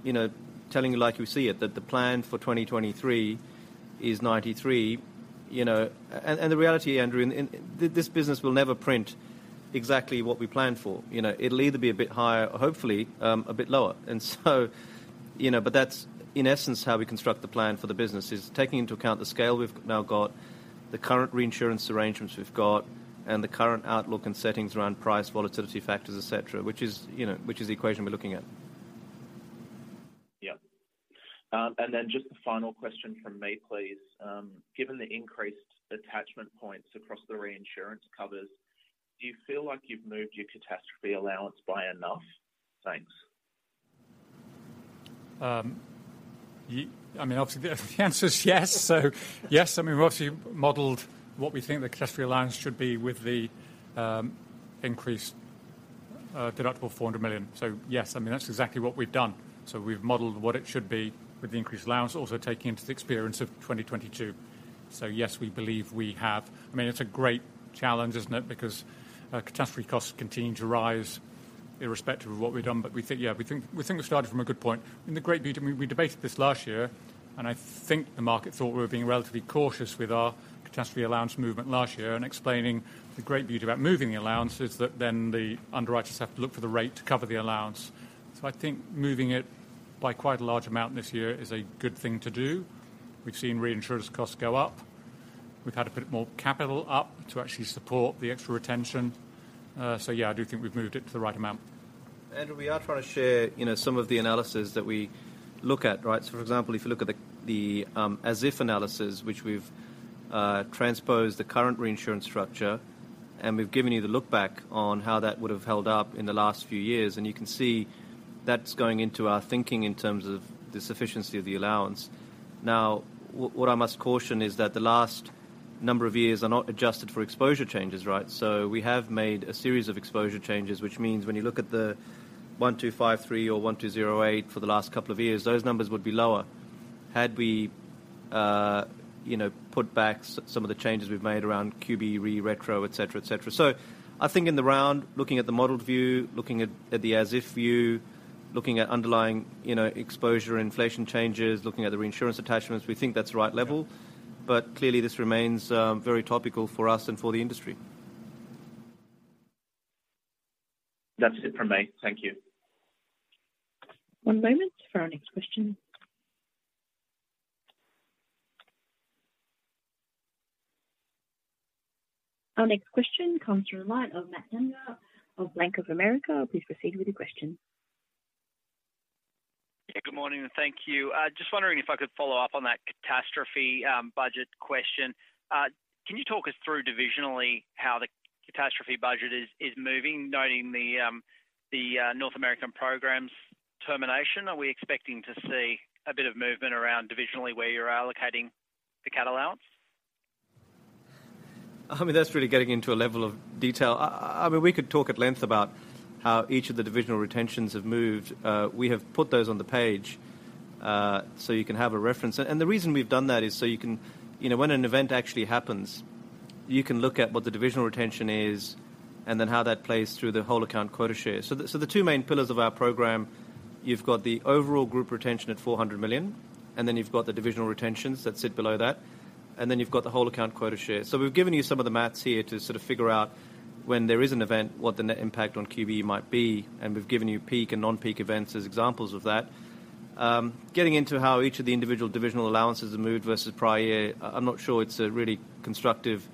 you know, telling you like we see it, that the plan for 2023 is 93%. You know, and the reality, Andrew, in this business will never print exactly what we plan for. You know, it'll either be a bit higher or hopefully, a bit lower. You know, but that's in essence how we construct the plan for the business is taking into account the scale we've now got, the current reinsurance arrangements we've got, and the current outlook and settings around price volatility factors, et cetera, which is, you know, which is the equation we're looking at. Yeah. Then just the final question from me, please. Given the increased attachment points across the reinsurance covers, do you feel like you've moved your catastrophe allowance by enough? Thanks. I mean, obviously, the answer is yes. Yes, I mean, we've obviously modeled what we think the catastrophe allowance should be with the increased deductible $400 million. Yes, I mean, that's exactly what we've done. We've modeled what it should be with the increased allowance, also taking into the experience of 2022. Yes, we believe we have. I mean, it's a great challenge, isn't it? Because catastrophe costs continue to rise irrespective of what we've done. We think, yeah, we think we've started from a good point. The great beauty, we debated this last year, I think the market thought we were being relatively cautious with our catastrophe allowance movement last year explaining the great beauty about moving the allowance is that then the underwriters have to look for the rate to cover the allowance. I think moving it by quite a large amount this year is a good thing to do. We've seen reinsurance costs go up. We've had to put more capital up to actually support the extra retention. Yeah, I do think we've moved it to the right amount. Andrew, we are trying to share, you know, some of the analysis that we look at, right? For example, if you look at the, as if analysis, which we've, transposed the current reinsurance structure, and we've given you the look back on how that would have held up in the last few years, and you can see that's going into our thinking in terms of the sufficiency of the allowance. Now, what I must caution is that the last number of years are not adjusted for exposure changes, right? We have made a series of exposure changes, which means when you look at the 1,253 or 1,208 for the last couple of years, those numbers would be lower had we, you know, put back some of the changes we've made around QBE Re retro, et cetera, et cetera. I think in the round, looking at the modeled view, looking at the as if view, looking at underlying, you know, exposure inflation changes, looking at the reinsurance attachments, we think that's the right level. Clearly this remains very topical for us and for the industry. That's it from me. Thank you. One moment for our next question. Our next question comes from the line of Matthew Dinh of Bank of America. Please proceed with your question. Yeah, good morning and thank you. Just wondering if I could follow up on that catastrophe budget question. Can you talk us through divisionally how the catastrophe budget is moving, noting the North American program's termination? Are we expecting to see a bit of movement around divisionally where you're allocating the cat allowance? I mean, that's really getting into a level of detail. I mean, we could talk at length about how each of the divisional retentions have moved. We have put those on the page, so you can have a reference. The reason we've done that is so you can. You know, when an event actually happens, you can look at what the divisional retention is and then how that plays through the whole account quota share. The two main pillars of our program, you've got the overall group retention at $400 million, and then you've got the divisional retentions that sit below that, and then you've got the whole account quota share. So we've given you some of the math here to sort of figure out when there is an event, what the net impact on QBE might be, and we've given you peak and non-peak events as examples of that. Getting into how each of the individual divisional allowances have moved versus prior year, I'm not sure it's a really constructive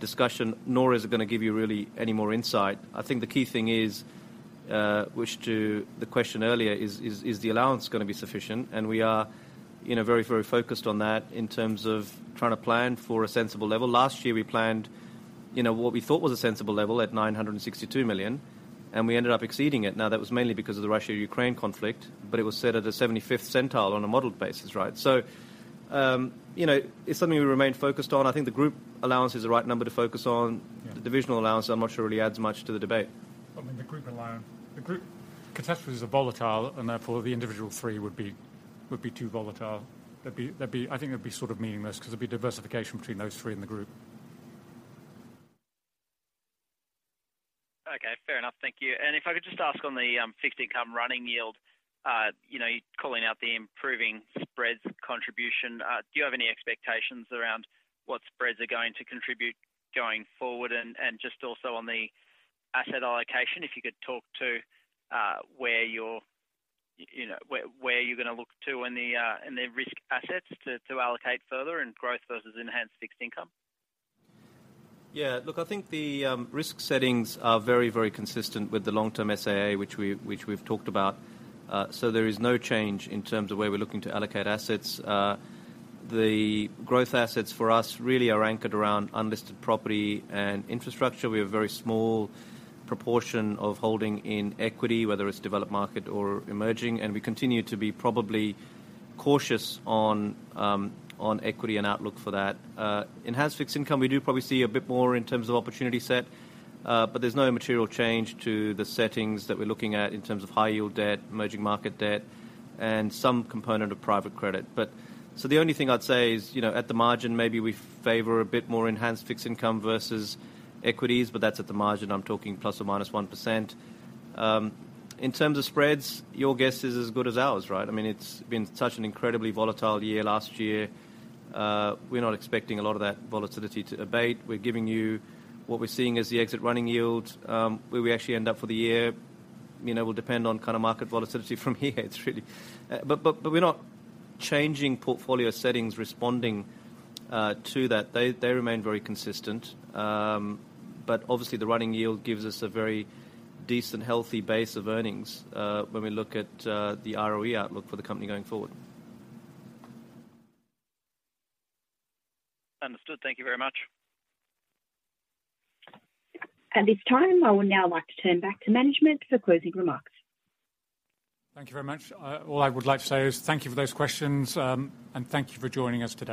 discussion, nor is it gonna give you really any more insight. I think the key thing is which to the question earlier is the allowance gonna be sufficient? We are, you know, very focused on that in terms of trying to plan for a sensible level. Last year, we planned, you know, what we thought was a sensible level at $962 million, and we ended up exceeding it. That was mainly because of the Russia-Ukraine conflict, but it was set at a 75th centile on a modeled basis, right? You know, it's something we remain focused on. I think the group allowance is the right number to focus on. Yeah. The divisional allowance, I'm not sure really adds much to the debate. I mean, the group allowance. The group categories are volatile, and therefore, the individual three would be too volatile. There'd be I think it'd be sort of meaningless because there'd be diversification between those three and the group. Okay. Fair enough. Thank you. If I could just ask on the fixed income running yield, you know, calling out the improving spreads contribution? Do you have any expectations around what spreads are going to contribute going forward? Just also on the asset allocation, if you could talk to where you're, you know, where you're gonna look to in the risk assets to allocate further in growth versus enhanced fixed income? Yeah. Look, I think the risk settings are very, very consistent with the long-term SAA, which we've talked about. There is no change in terms of where we're looking to allocate assets. The growth assets for us really are anchored around unlisted property and infrastructure. We have a very small proportion of holding in equity, whether it's developed market or emerging. We continue to be probably cautious on equity and outlook for that. Enhanced fixed income, we do probably see a bit more in terms of opportunity set, but there's no material change to the settings that we're looking at in terms of high yield debt, emerging market debt, and some component of private credit. The only thing I'd say is, you know, at the margin, maybe we favor a bit more enhanced fixed income versus equities, but that's at the margin. I'm talking ±1%. In terms of spreads, your guess is as good as ours, right? I mean, it's been such an incredibly volatile year last year. We're not expecting a lot of that volatility to abate. We're giving you what we're seeing as the exit running yield. Where we actually end up for the year, you know, will depend on kind of market volatility from here really. We're not changing portfolio settings responding to that. They remain very consistent. Obviously, the running yield gives us a very decent, healthy base of earnings when we look at the ROE outlook for the company going forward. Understood. Thank you very much. At this time, I would now like to turn back to management for closing remarks. Thank you very much. All I would like to say is thank you for those questions, and thank you for joining us today.